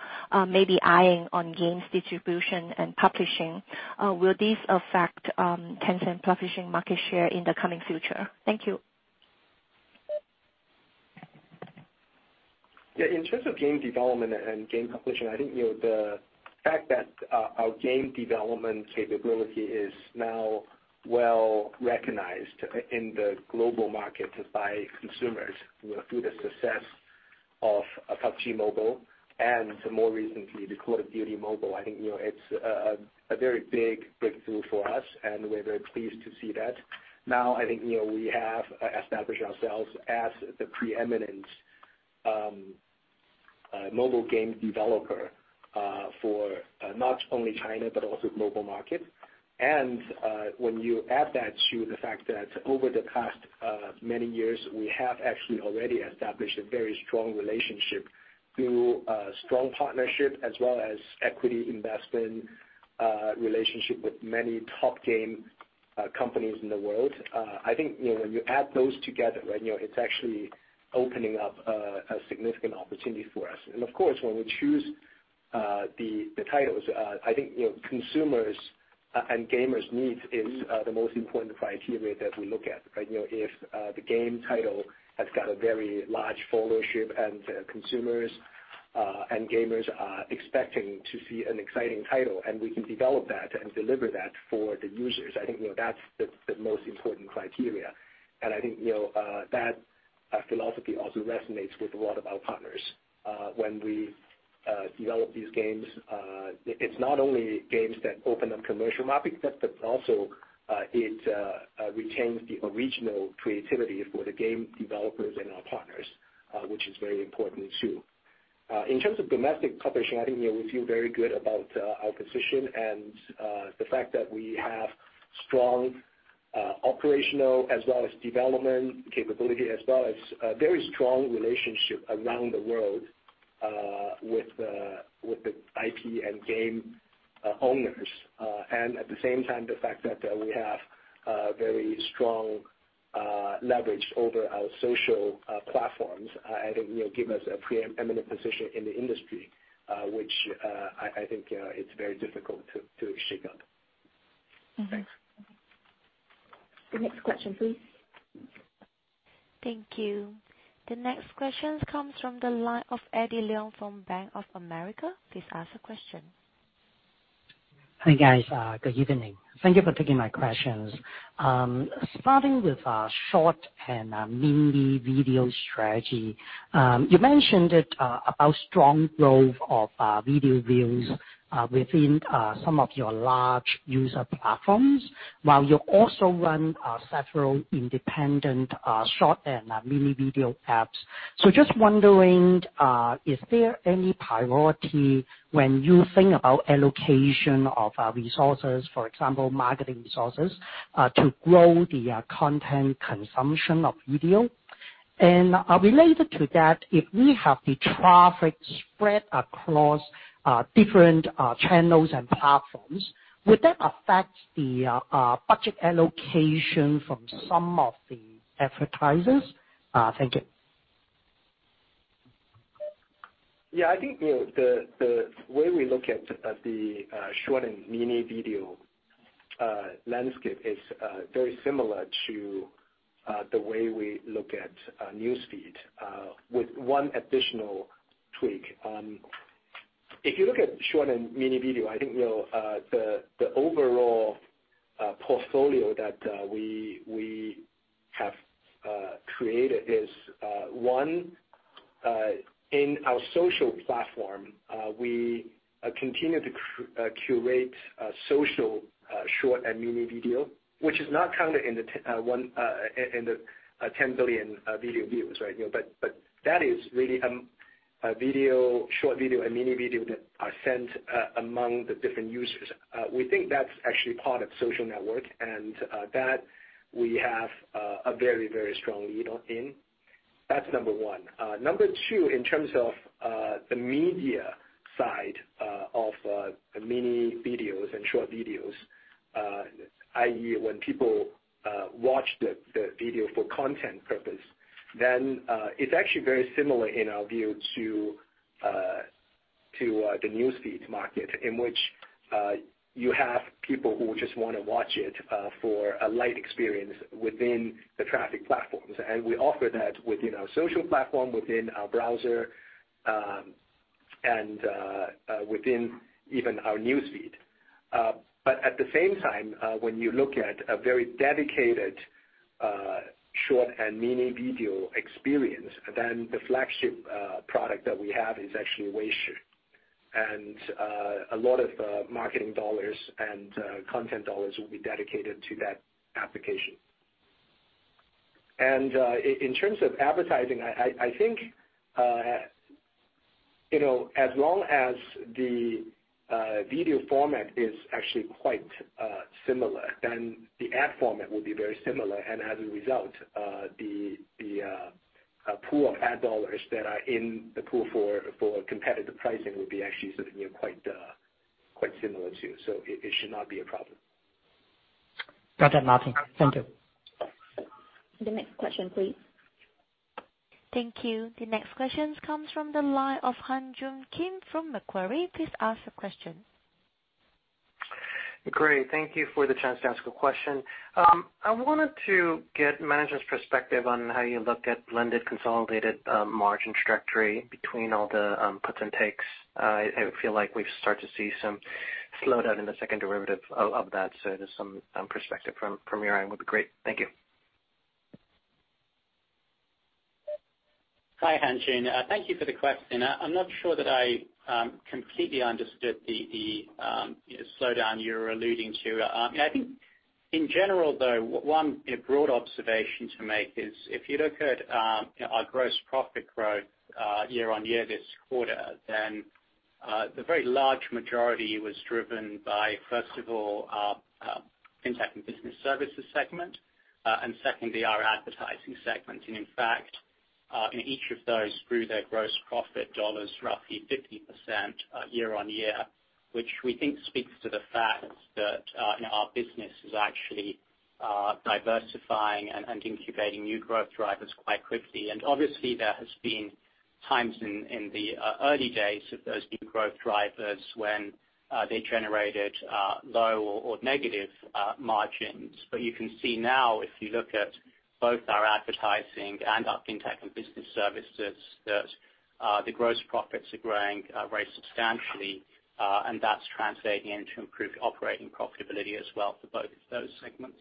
maybe eyeing on games distribution and publishing, will this affect Tencent publishing market share in the coming future? Thank you. Yeah. In terms of game development and game publishing, I think the fact that our game development capability is now well recognized in the global market by consumers through the success of PUBG MOBILE and more recently, the Call of Duty: Mobile, I think it's a very big breakthrough for us, and we're very pleased to see that. Now, I think we have established ourselves as the preeminent mobile game developer for not only China but also the global market. When you add that to the fact that over the past many years, we have actually already established a very strong relationship through a strong partnership as well as equity investment relationship with many top game. Companies in the world. I think when you add those together, it's actually opening up a significant opportunity for us. Of course, when we choose the titles, I think, consumers and gamers' needs is the most important criteria that we look at, right? If the game title has got a very large followership and consumers and gamers are expecting to see an exciting title, and we can develop that and deliver that for the users, I think that's the most important criteria. I think that philosophy also resonates with a lot of our partners. When we develop these games, it's not only games that open up commercial markets, but also it retains the original creativity for the game developers and our partners, which is very important, too. In terms of domestic competition, I think we feel very good about our position and the fact that we have strong operational as well as development capability, as well as a very strong relationship around the world with the IP and game owners. At the same time, the fact that we have very strong leverage over our social platforms, I think give us a preeminent position in the industry, which I think it's very difficult to shake up. Thanks. The next question, please. Thank you. The next question comes from the line of Eddie Leung from Bank of America. Please ask the question. Hi, guys. Good evening. Thank you for taking my questions. Starting with short and mini video strategy. You mentioned it about strong growth of video views within some of your large user platforms, while you also run several independent short and mini video apps. Just wondering, is there any priority when you think about allocation of resources, for example, marketing resources, to grow the content consumption of video? Related to that, if we have the traffic spread across different channels and platforms, would that affect the budget allocation from some of the advertisers? Thank you. Yeah, I think the way we look at the short and mini video landscape is very similar to the way we look at newsfeed, with one additional tweak. If you look at short and mini video, I think the overall portfolio that we have created is, one, in our social platform, we continue to curate social short and mini video, which is not counted in the 10 billion video views, right? That is really short video and mini video that are sent among the different users. We think that's actually part of social network, and that we have a very, very strong lead in. That's number one. Number two, in terms of the media side of the mini videos and short videos, i.e., when people watch the video for content purpose, it's actually very similar in our view to the newsfeed market in which you have people who just want to watch it for a light experience within the traffic platforms. We offer that within our social platform, within our browser, and within even our newsfeed. At the same time, when you look at a very dedicated short and mini video experience, the flagship product that we have is actually Weishi. A lot of marketing dollars and content dollars will be dedicated to that application. In terms of advertising, I think as long as the video format is actually quite similar, the ad format will be very similar. As a result, the pool of ad dollars that are in the pool for competitive pricing will be actually sitting quite similar, too. It should not be a problem. Got that, Martin. Thank you. The next question, please. Thank you. The next question comes from the line of Han Joon Kim from Macquarie. Please ask the question. Great. Thank you for the chance to ask a question. I wanted to get management's perspective on how you look at blended consolidated margin trajectory between all the puts and takes. I feel like we've started to see some slowdown in the second derivative of that. Just some perspective from your end would be great. Thank you. Hi, Hanjun. Thank you for the question. I'm not sure that I completely understood the slowdown you're alluding to. I think in general, though, one broad observation to make is if you look at our gross profit growth year-over-year this quarter, the very large majority was driven by, first of all, our fintech and business services segment, and secondly, our advertising segment. In fact, each of those grew their gross profit dollars roughly 50% year-over-year, which we think speaks to the fact that our business is actually diversifying and incubating new growth drivers quite quickly. Obviously, there has been times in the early days of those new growth drivers when they generated low or negative margins. You can see now, if you look at both our advertising and our FinTech and business services, that the gross profits are growing very substantially, and that is translating into improved operating profitability as well for both of those segments.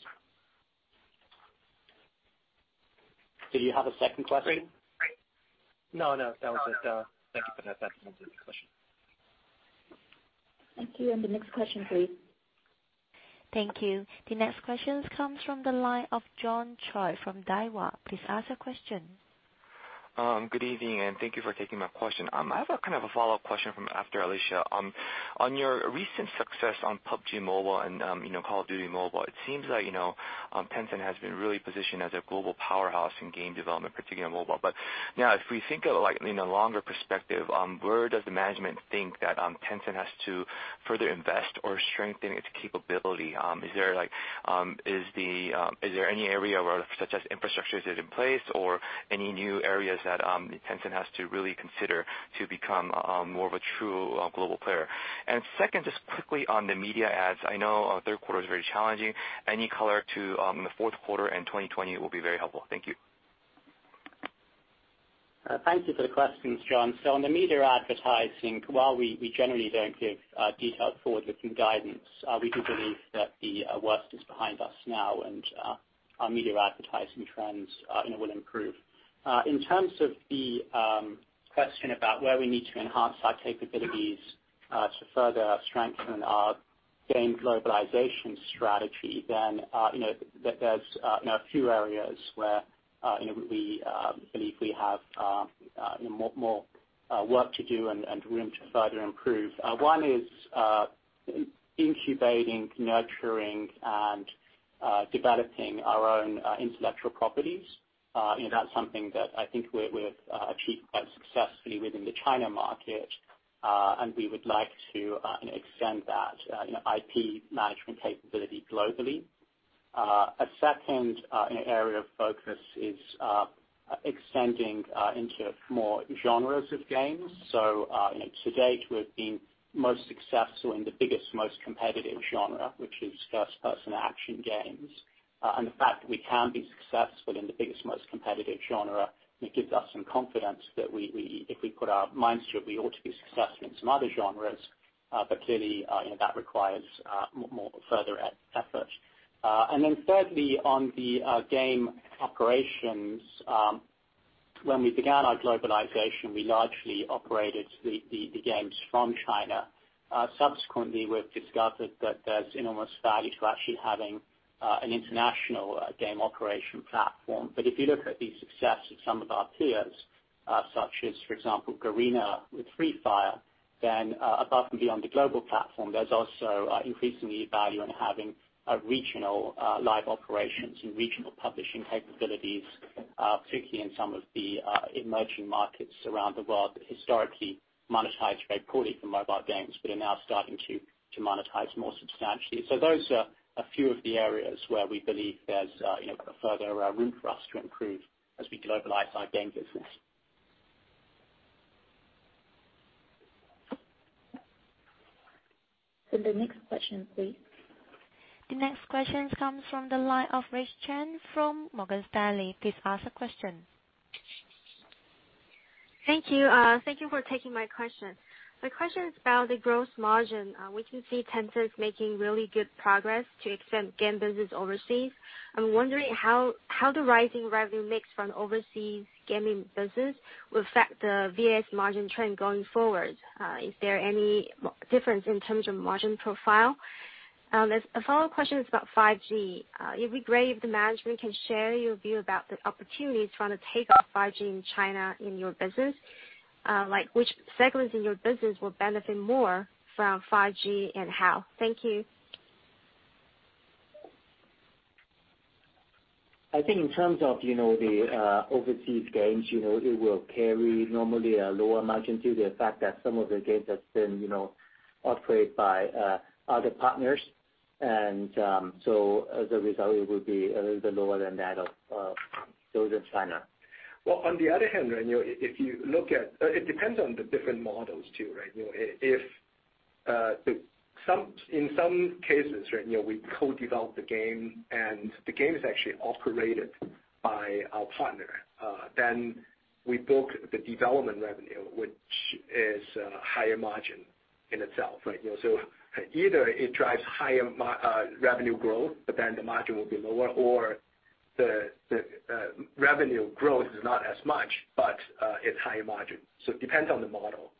Did you have a second question? No, that was it. Thank you for that. That answered the question. Thank you. The next question, please. Thank you. The next question comes from the line of John Choi from Daiwa. Please ask your question. Good evening, and thank you for taking my question. I have a follow-up question from after Alicia. On your recent success on PUBG MOBILE and Call of Duty: Mobile, it seems like Tencent has been really positioned as a global powerhouse in game development, particularly on mobile. Now if we think of it in a longer perspective, where does the management think that Tencent has to further invest or strengthen its capability? Is there any area such as infrastructure is in place or any new areas that Tencent has to really consider to become more of a true global player? Second, just quickly on the media ads. I know third quarter is very challenging. Any color to the fourth quarter and 2020 will be very helpful. Thank you. Thank you for the questions, John. On the media advertising, while we generally don't give detailed forward-looking guidance, we do believe that the worst is behind us now and our media advertising trends will improve. In terms of the question about where we need to enhance our capabilities to further strengthen our game globalization strategy, there's a few areas where we believe we have more work to do and room to further improve. One is incubating, nurturing, and developing our own intellectual properties. That's something that I think we've achieved quite successfully within the China market, we would like to extend that IP management capability globally. A second area of focus is extending into more genres of games. To date, we've been most successful in the biggest, most competitive genre, which is first-person action games. The fact that we can be successful in the biggest, most competitive genre, it gives us some confidence that if we put our minds to it, we ought to be successful in some other genres. Clearly, that requires further effort. Thirdly, on the game operations. When we began our globalization, we largely operated the games from China. Subsequently, we've discovered that there's enormous value to actually having an international game operation platform. If you look at the success of some of our peers, such as, for example, Garena with Free Fire, then above and beyond the global platform, there's also increasingly value in having regional live operations and regional publishing capabilities, particularly in some of the emerging markets around the world that historically monetized very poorly from mobile games, but are now starting to monetize more substantially. Those are a few of the areas where we believe there's further room for us to improve as we globalize our game business. The next question, please. The next question comes from the line of Grace Chen from Morgan Stanley. Please ask the question. Thank you. Thank you for taking my question. My question is about the gross margin. We can see Tencent is making really good progress to extend game business overseas. I'm wondering how the rising revenue mix from overseas gaming business will affect the VAS margin trend going forward. Is there any difference in terms of margin profile? A follow-up question is about 5G. It'd be great if the management can share your view about the opportunities from the takeoff of 5G in China in your business. Which segments in your business will benefit more from 5G and how? Thank you. I think in terms of the overseas games, it will carry normally a lower margin due to the fact that some of the games have been operated by other partners. As a result, it would be a little bit lower than that of those in China. Well, on the other hand, if you look at. It depends on the different models, too. In some cases, we co-develop the game, and the game is actually operated by our partner. We book the development revenue, which is higher margin in itself. Either it drives higher revenue growth, the margin will be lower, or the revenue growth is not as much, but it's higher margin. It depends on the model.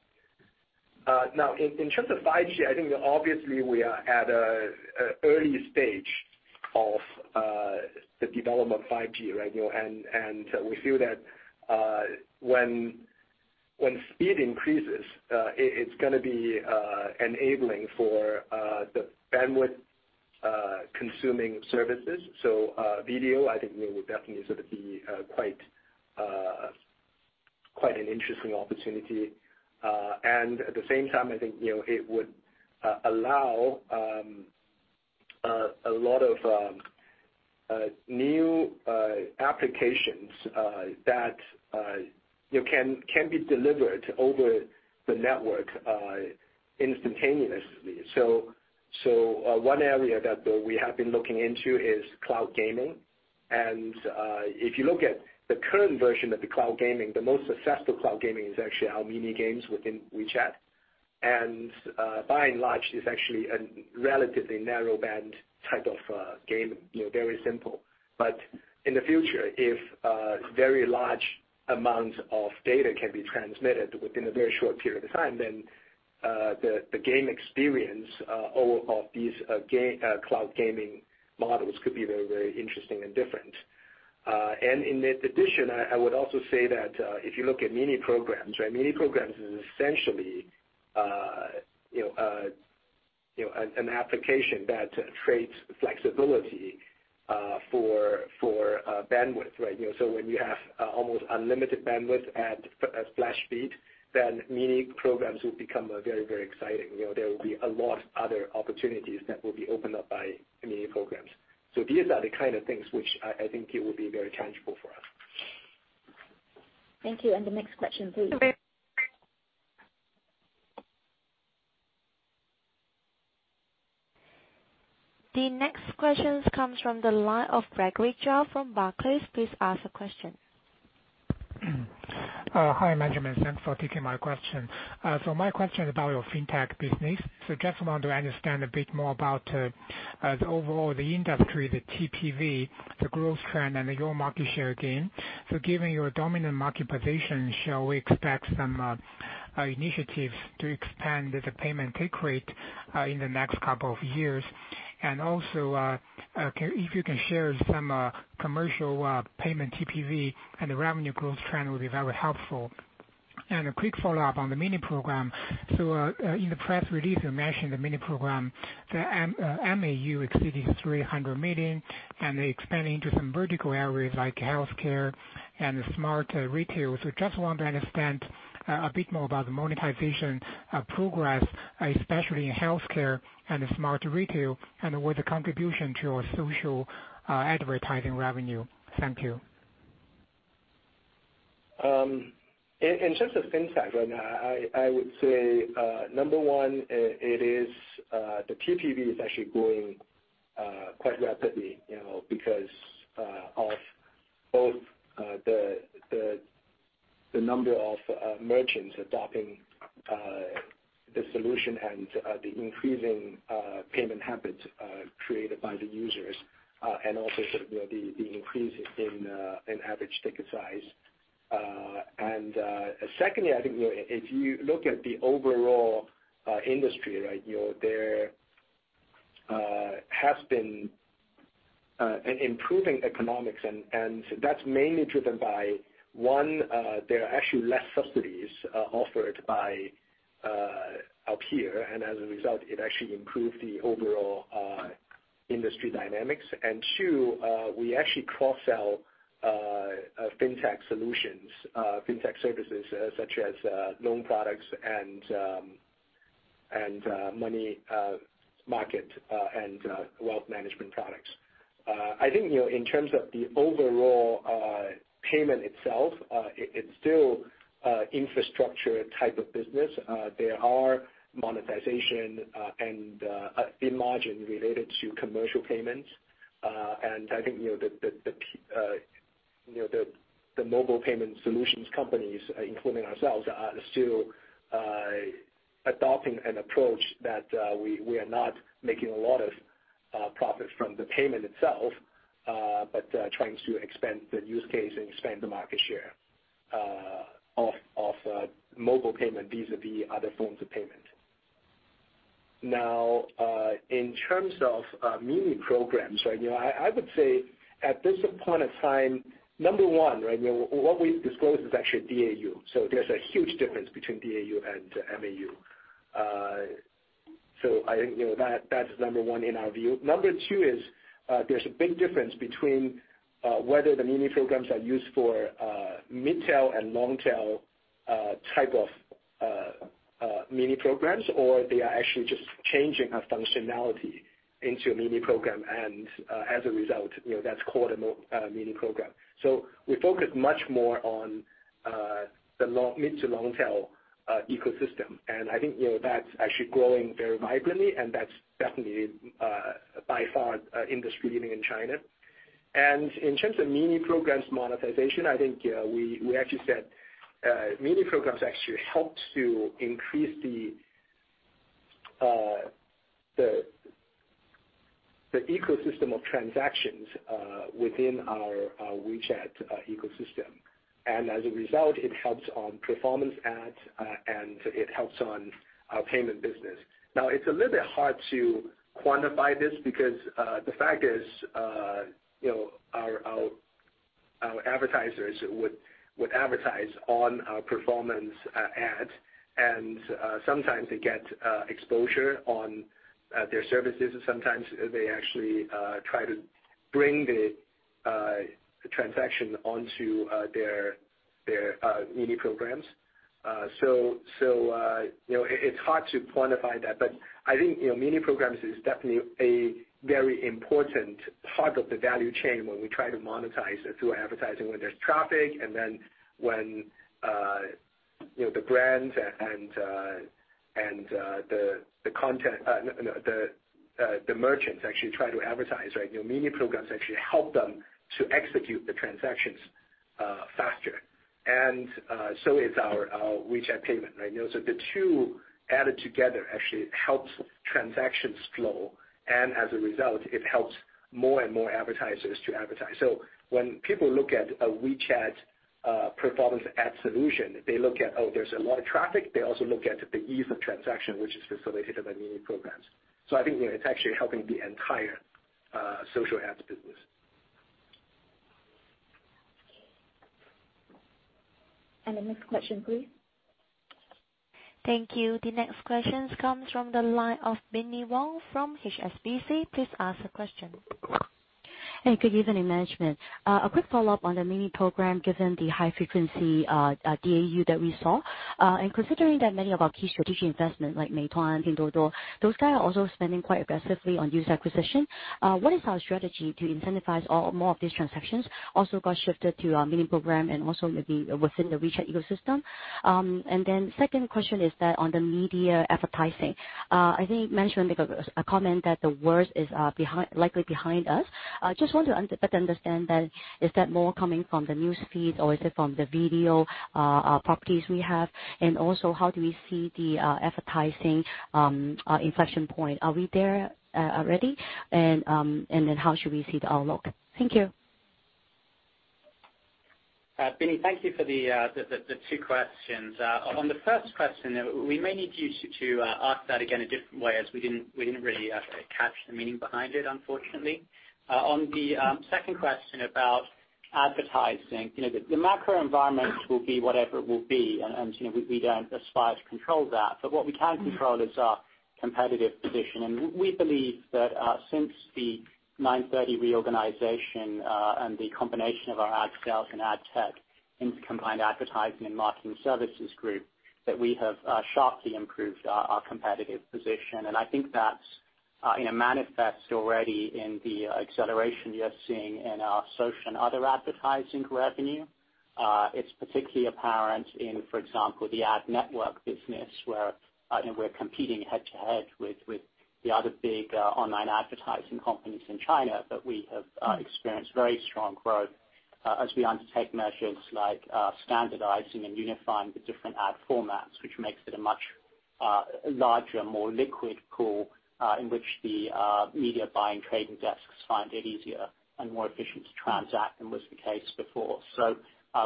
Now, in terms of 5G, I think obviously we are at an early stage of the development of 5G. We feel that when speed increases, it's going to be enabling for the bandwidth consuming services. Video, I think will definitely sort of be quite an interesting opportunity. At the same time, I think, it would allow a lot of new applications that can be delivered over the network instantaneously. One area that we have been looking into is cloud gaming. If you look at the current version of the cloud gaming, the most successful cloud gaming is actually our mini games within WeChat, and by and large, is actually a relatively narrow band type of game, very simple. In the future, if very large amounts of data can be transmitted within a very short period of time, then the game experience of these cloud gaming models could be very, very interesting and different. In addition, I would also say that, if you look at mini programs, right, mini programs is essentially an application that trades flexibility for bandwidth, right? When you have almost unlimited bandwidth at flash speed, then mini programs will become very, very exciting. There will be a lot of other opportunities that will be opened up by mini programs. These are the kind of things which I think it will be very tangible for us. Thank you. The next question please. The next question comes from the line of Gregory Zhao from Barclays. Please ask the question. Hi, management. Thanks for taking my question. My question is about your fintech business. Just want to understand a bit more about the overall, the industry, the TPV, the growth trend, and your market share gain. Given your dominant market position, shall we expect some initiatives to expand the payment take rate in the next couple of years? Also, if you can share some commercial payment TPV and the revenue growth trend would be very helpful. A quick follow-up on the mini program. In the press release, you mentioned the mini program, the MAU exceeding 300 million and expanding into some vertical areas like healthcare and smart retail. Just want to understand a bit more about the monetization progress, especially in healthcare and smart retail, and with the contribution to your social advertising revenue. Thank you. In terms of fintech, I would say, number one, the TPV is actually growing quite rapidly because of both the number of merchants adopting the solution and the increasing payment habits created by the users, and also the increase in average ticket size. Secondly, I think if you look at the overall industry, right, there has been an improving economics and that's mainly driven by, one, there are actually less subsidies offered by Alipay. As a result, it actually improved the overall industry dynamics. Two, we actually cross-sell fintech solutions, fintech services such as loan products and money market and wealth management products. I think, in terms of the overall payment itself, it's still infrastructure type of business. There are monetization and margin related to commercial payments. I think the mobile payment solutions companies, including ourselves, are still adopting an approach that we are not making a lot of profit from the payment itself, but trying to expand the use case and expand the market share of mobile payment vis-a-vis other forms of payment. Now, in terms of mini programs, I would say at this point of time, number one, what we've disclosed is actually DAU. There's a huge difference between DAU and MAU. I think that's number one in our view. Number two is, there's a big difference between whether the mini programs are used for mid-tail and long-tail type of mini programs or they are actually just changing a functionality into a mini program and, as a result, that's called a mini program. We focus much more on the mid to long tail ecosystem. I think that's actually growing very vibrantly and that's definitely, by far, industry-leading in China. In terms of Mini Programs monetization, I think we actually said Mini Programs actually helps to increase the ecosystem of transactions within our WeChat ecosystem. As a result, it helps on performance ad. It helps on our payment business. Now, it's a little bit hard to quantify this because the fact is, our advertisers would advertise on our performance ads, and sometimes they get exposure on their services, sometimes they actually try to bring the transaction onto their Mini Programs. It's hard to quantify that, but I think Mini Programs is definitely a very important part of the value chain when we try to monetize through advertising when there's traffic, and then when the merchants actually try to advertise. Mini Programs actually help them to execute the transactions faster. Is our WeChat payment. The two added together actually helps transactions flow, and as a result, it helps more and more advertisers to advertise. When people look at a WeChat performance ad solution, they look at, oh, there's a lot of traffic. They also look at the ease of transaction, which is facilitated by mini programs. I think it's actually helping the entire social ads business. The next question, please. Thank you. The next question comes from the line of Binnie Wong from HSBC. Please ask the question. Hey, good evening, management. A quick follow-up on the Mini Program, given the high frequency DAU that we saw. Considering that many of our key strategic investments like Meituan, Pinduoduo, those guys are also spending quite aggressively on user acquisition. What is our strategy to incentivize more of these transactions also got shifted to our Mini Program and also maybe within the WeChat ecosystem? Second question is that on the media advertising. I think management make a comment that the worst is likely behind us. Just want to better understand then, is that more coming from the news feed or is it from the video properties we have? How do we see the advertising inflection point? Are we there already? How should we see the outlook? Thank you. Binnie, thank you for the two questions. On the first question, we may need you to ask that again a different way, as we didn't really capture the meaning behind it, unfortunately. On the second question about advertising, the macro environment will be whatever it will be, and we don't aspire to control that. What we can control is our competitive position. We believe that since the 930 reorganization and the combination of our ad sales and ad tech into combined advertising and marketing services group, that we have sharply improved our competitive position. I think that manifests already in the acceleration you're seeing in our social and other advertising revenue. It's particularly apparent in, for example, the ad network business, where we're competing head-to-head with the other big online advertising companies in China. We have experienced very strong growth as we undertake measures like standardizing and unifying the different ad formats, which makes it a much larger, more liquid pool, in which the media buying trading desks find it easier and more efficient to transact than was the case before.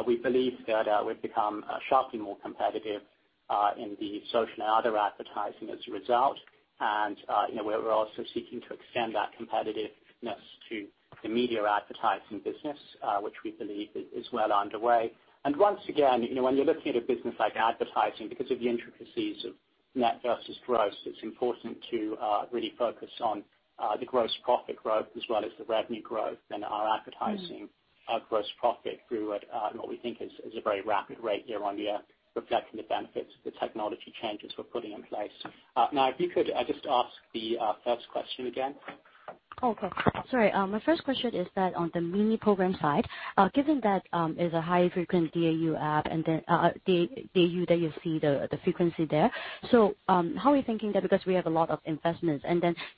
We believe that we've become sharply more competitive in the social and other advertising as a result. We're also seeking to extend that competitiveness to the media advertising business, which we believe is well underway. Once again, when you're looking at a business like advertising, because of the intricacies of net versus gross, it's important to really focus on the gross profit growth as well as the revenue growth and our advertising gross profit grew at what we think is a very rapid rate year-on-year, reflecting the benefits of the technology changes we're putting in place. If you could just ask the first question again. Okay. Sorry. My first question is that on the mini program side, given that it's a high frequency DAU app, DAU that you see the frequency there. How are we thinking that because we have a lot of investments,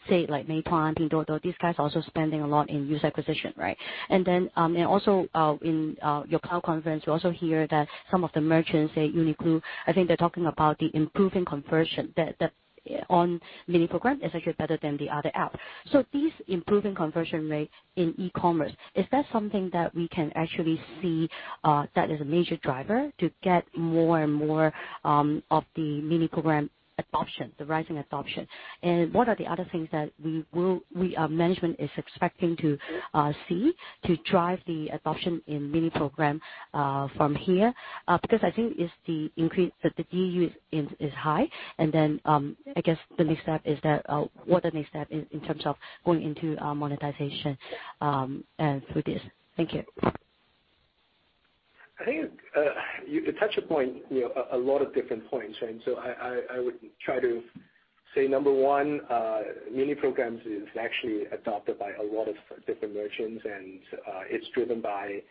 say like Meituan, Pinduoduo, these guys are also spending a lot in user acquisition, right? Also in your cloud conference, we also hear that some of the merchants say UNIQLO, I think they're talking about the improving conversion that on mini program is actually better than the other app. This improving conversion rate in e-commerce, is that something that we can actually see that is a major driver to get more and more of the mini program adoption, the rising adoption? What are the other things that management is expecting to see to drive the adoption in mini program from here? I think it's the increase that the DAU is high. Then, I guess what the next step is in terms of going into monetization through this. Thank you. I think you touched a point, a lot of different points. I would try to say, number one, Mini Programs is actually adopted by a lot of different merchants, and it's driven by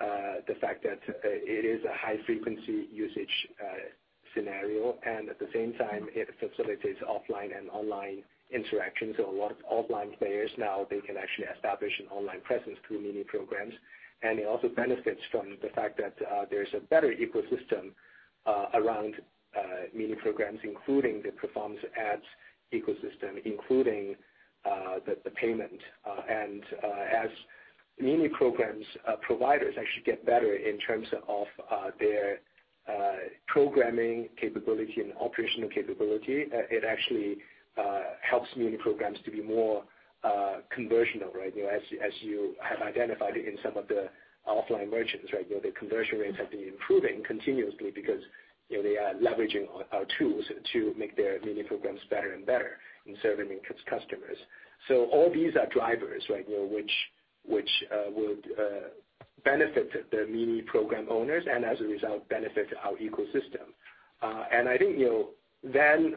the fact that it is a high-frequency usage scenario, and at the same time, it facilitates offline and online interactions. A lot of offline players, now they can actually establish an online presence through Mini Programs. It also benefits from the fact that there's a better ecosystem around Mini Programs, including the performance ads ecosystem, including the payment. As Mini Programs providers actually get better in terms of their programming capability and operational capability, it actually helps Mini Programs to be more conversion rate. As you have identified in some of the offline merchants, the conversion rates have been improving continuously because they are leveraging our tools to make their mini programs better and better in serving its customers. All these are drivers which would benefit the mini program owners and as a result, benefit our ecosystem. I think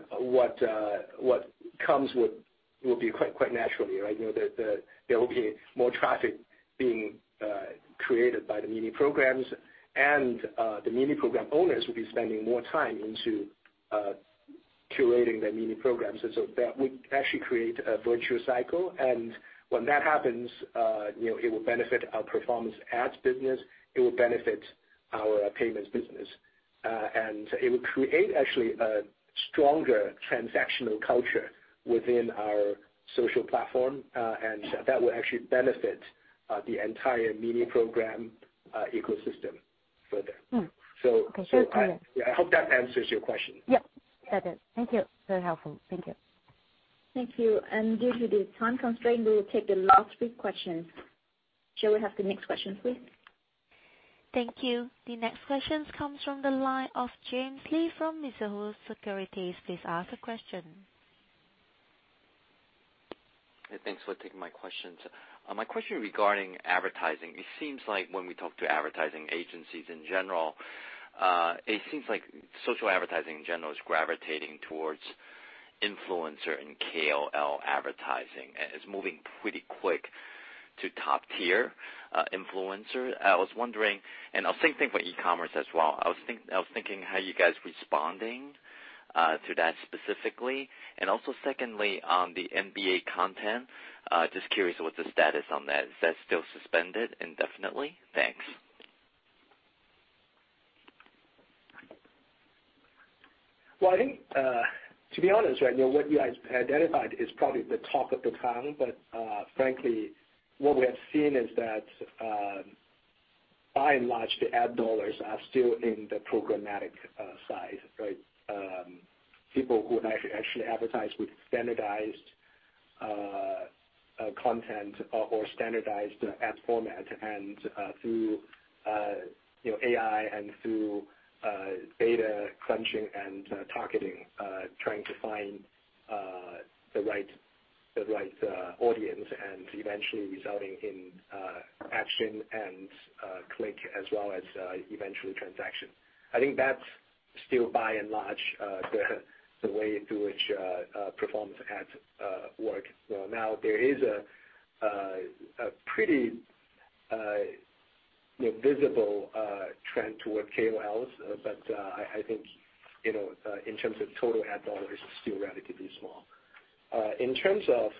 what comes will be quite naturally. There will be more traffic being created by the mini programs and the mini program owners will be spending more time into curating their mini programs. That would actually create a virtual cycle and when that happens it will benefit our performance ads business, it will benefit our payments business, and it will create actually a stronger transactional culture within our social platform, and that will actually benefit the entire mini program ecosystem further. Thanks very much. I hope that answers your question. Yep, it does. Thank you. Very helpful. Thank you. Thank you. Due to the time constraint, we will take the last three questions. Shall we have the next question, please? Thank you. The next questions comes from the line of James Lee from Mizuho Securities. Please ask a question. Thanks for taking my questions. My question regarding advertising, it seems like when we talk to advertising agencies in general, it seems like social advertising in general is gravitating towards influencer and KOL advertising, and it's moving pretty quick to top tier influencers. Same thing for e-commerce as well, I was thinking how you guys responding to that specifically? Also, secondly, on the NBA content, just curious what the status on that? Is that still suspended indefinitely? Thanks. I think, to be honest, what you identified is probably the talk of the town. Frankly, what we have seen is that, by and large, the ad dollars are still in the programmatic side. People who actually advertise with standardized content or standardized ad format and through AI and through data crunching and targeting, trying to find the right audience and eventually resulting in action and click as well as eventually transaction. I think that's still by and large the way through which performance ads work. There is a pretty visible trend toward KOLs, but I think in terms of total ad dollars, it's still relatively small. In terms of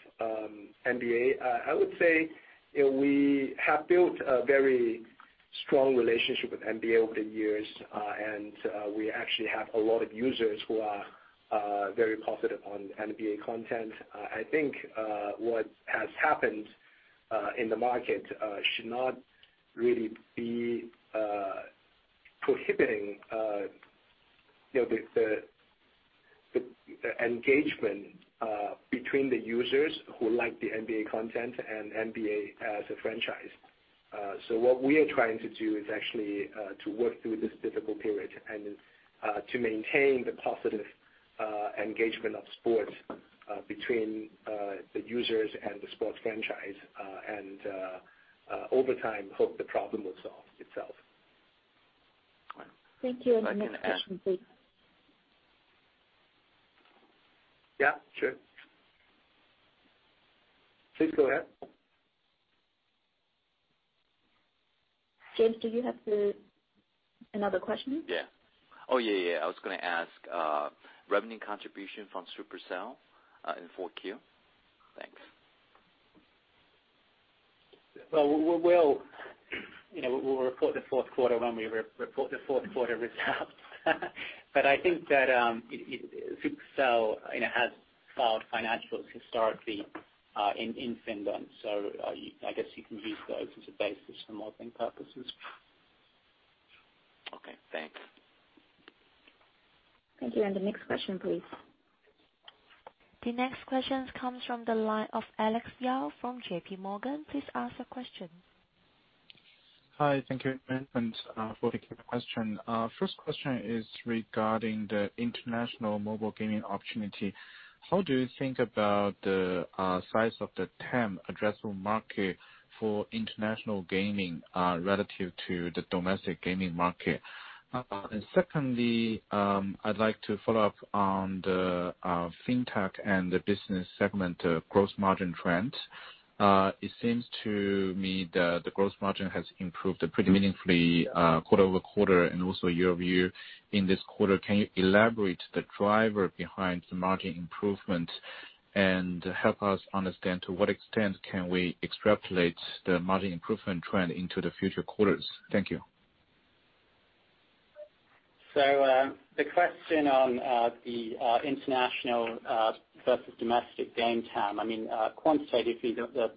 NBA, I would say we have built a very strong relationship with NBA over the years. We actually have a lot of users who are very positive on NBA content. I think what has happened in the market should not really be prohibiting the engagement between the users who like the NBA content and NBA as a franchise. What we are trying to do is actually to work through this difficult period and to maintain the positive engagement of sports between the users and the sports franchise, and over time, hope the problem will solve itself. Thank you. The next question, please. Yeah, sure. Please go ahead. James, do you have another question? Yeah. Oh, yeah. I was going to ask, revenue contribution from Supercell in 4Q. Thanks. We'll report the fourth quarter when we report the fourth quarter results. I think that Supercell has filed financials historically in Finland, so I guess you can use those as a basis for modeling purposes. Okay, thanks. Thank you. The next question, please. The next question comes from the line of Alex Yao from JPMorgan. Please ask a question. Hi, thank you. For the question, first question is regarding the international mobile gaming opportunity. How do you think about the size of the TAM addressable market for international gaming relative to the domestic gaming market? Secondly, I'd like to follow up on the Fintech and the business segment gross margin trend. It seems to me that the gross margin has improved pretty meaningfully quarter-over-quarter and also year-over-year in this quarter. Can you elaborate the driver behind the margin improvement and help us understand to what extent can we extrapolate the margin improvement trend into the future quarters? Thank you. The question on the international versus domestic game TAM, quantitatively, the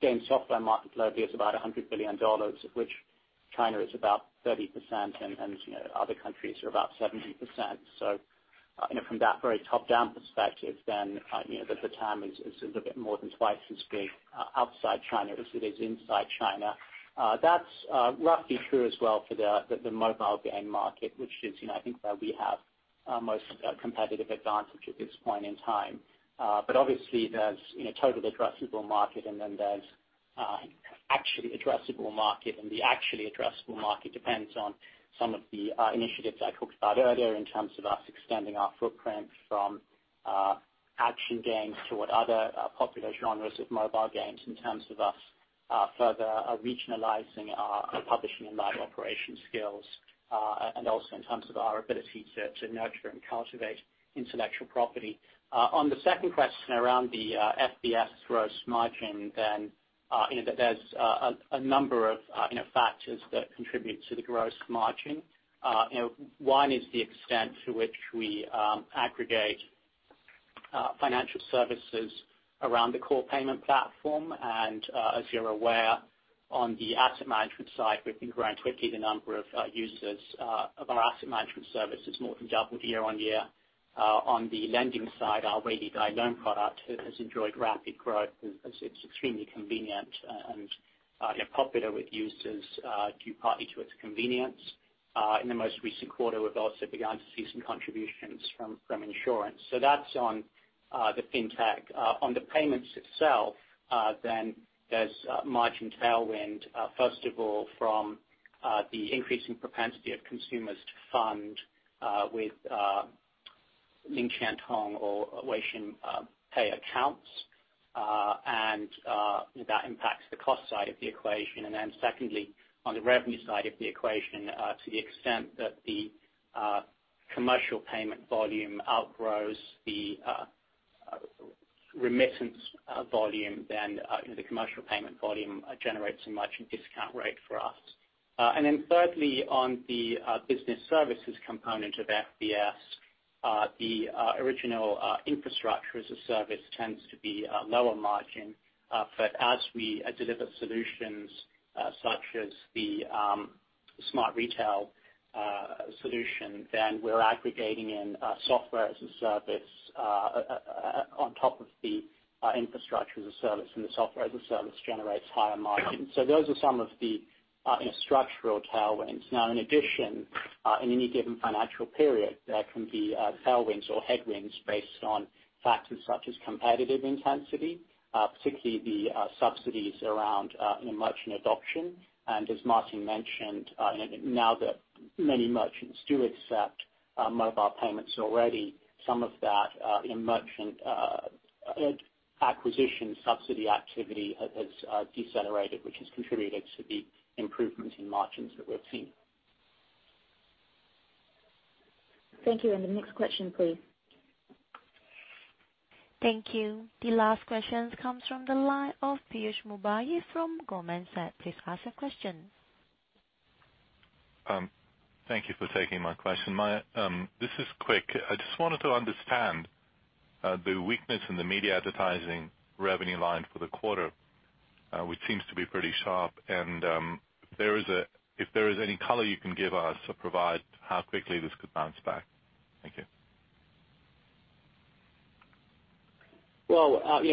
game software market globally is about $100 billion, of which- China is about 30%, and other countries are about 70%. From that very top-down perspective, the TAM is a bit more than twice as big outside China as it is inside China. That's roughly true as well for the mobile game market, which is I think where we have our most competitive advantage at this point in time. Obviously, there's total addressable market, and there's actually addressable market. The actually addressable market depends on some of the initiatives I talked about earlier in terms of us extending our footprint from action games toward other popular genres of mobile games in terms of us further regionalizing our publishing and live operation skills, and also in terms of our ability to nurture and cultivate intellectual property. On the second question around the FBS gross margin, there's a number of factors that contribute to the gross margin. One is the extent to which we aggregate financial services around the core payment platform. As you're aware, on the asset management side, we've been growing quickly. The number of users of our asset management service has more than doubled year-over-year. On the lending side, our Weilidai loan product has enjoyed rapid growth as it's extremely convenient and popular with users due partly to its convenience. In the most recent quarter, we've also begun to see some contributions from insurance. That's on the fintech. On the payments itself, there's margin tailwind, first of all from the increasing propensity of consumers to fund with Lingqiantong or Weixin Pay accounts. That impacts the cost side of the equation. Secondly, on the revenue side of the equation, to the extent that the commercial payment volume outgrows the remittance volume, the commercial payment volume generates a margin discount rate for us. Thirdly, on the business services component of FBS, the original infrastructure-as-a-service tends to be lower margin. As we deliver solutions such as the smart retail solution, we're aggregating in software-as-a-service on top of the infrastructure-as-a-service, the software-as-a-service generates higher margin. Those are some of the structural tailwinds. In addition, in any given financial period, there can be tailwinds or headwinds based on factors such as competitive intensity, particularly the subsidies around merchant adoption. As Martin mentioned, now that many merchants do accept mobile payments already, some of that merchant acquisition subsidy activity has decelerated, which has contributed to the improvements in margins that we're seeing. Thank you. The next question, please. Thank you. The last question comes from the line of Piyush Mubayi from Goldman Sachs. Please ask your question. Thank you for taking my question. This is quick. I just wanted to understand the weakness in the media advertising revenue line for the quarter, which seems to be pretty sharp. If there is any color you can give us or provide how quickly this could bounce back. Thank you.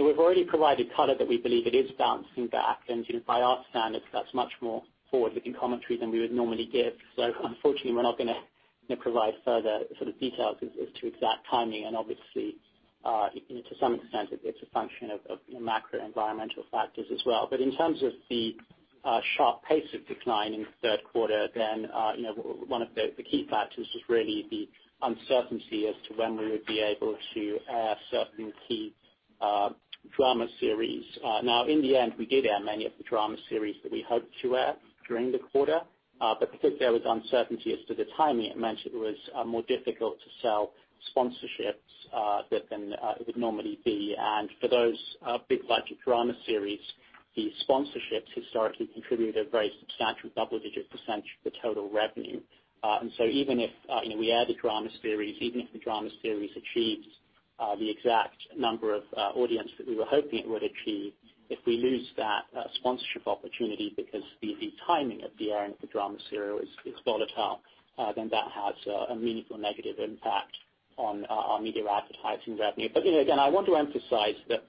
We've already provided color that we believe it is bouncing back. By our standards, that's much more forward-looking commentary than we would normally give. Unfortunately, we're not going to provide further details as to exact timing. Obviously, to some extent, it's a function of macro-environmental factors as well. In terms of the sharp pace of decline in the third quarter, one of the key factors was really the uncertainty as to when we would be able to air certain key drama series. In the end, we did air many of the drama series that we hoped to air during the quarter. Because there was uncertainty as to the timing, as mentioned, it was more difficult to sell sponsorships than it would normally be. For those big budget drama series, the sponsorships historically contributed a very substantial double-digit percentage of the total revenue. Even if we air the drama series, even if the drama series achieves the exact number of audience that we were hoping it would achieve, if we lose that sponsorship opportunity because the timing of the airing of the drama series is volatile, then that has a meaningful negative impact on our media advertising revenue. Again, I want to emphasize that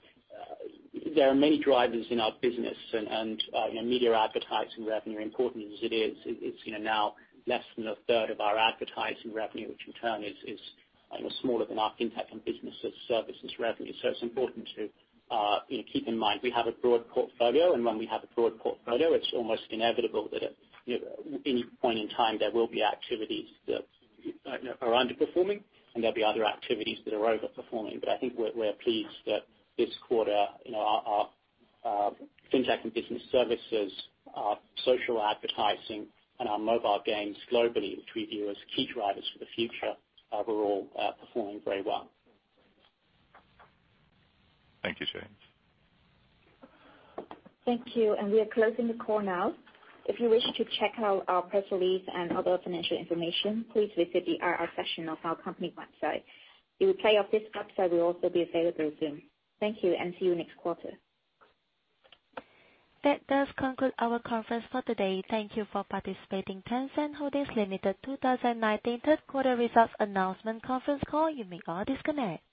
there are many drivers in our business, and media advertising revenue, important as it is, it's now less than one third of our advertising revenue, which in turn is smaller than our fintech and business services revenue. It's important to keep in mind, we have a broad portfolio, and when we have a broad portfolio, it's almost inevitable that at any point in time, there will be activities that are underperforming and there'll be other activities that are overperforming. I think we're pleased that this quarter, our fintech and business services, our social advertising, and our mobile games globally, which we view as key drivers for the future, were all performing very well. Thank you, James. Thank you. We are closing the call now. If you wish to check out our press release and other financial information, please visit the IR section of our company website. The replay of this website will also be available soon. Thank you, and see you next quarter. That does conclude our conference for today. Thank you for participating. Tencent Holdings Limited 2019 third quarter results announcement conference call. You may all disconnect.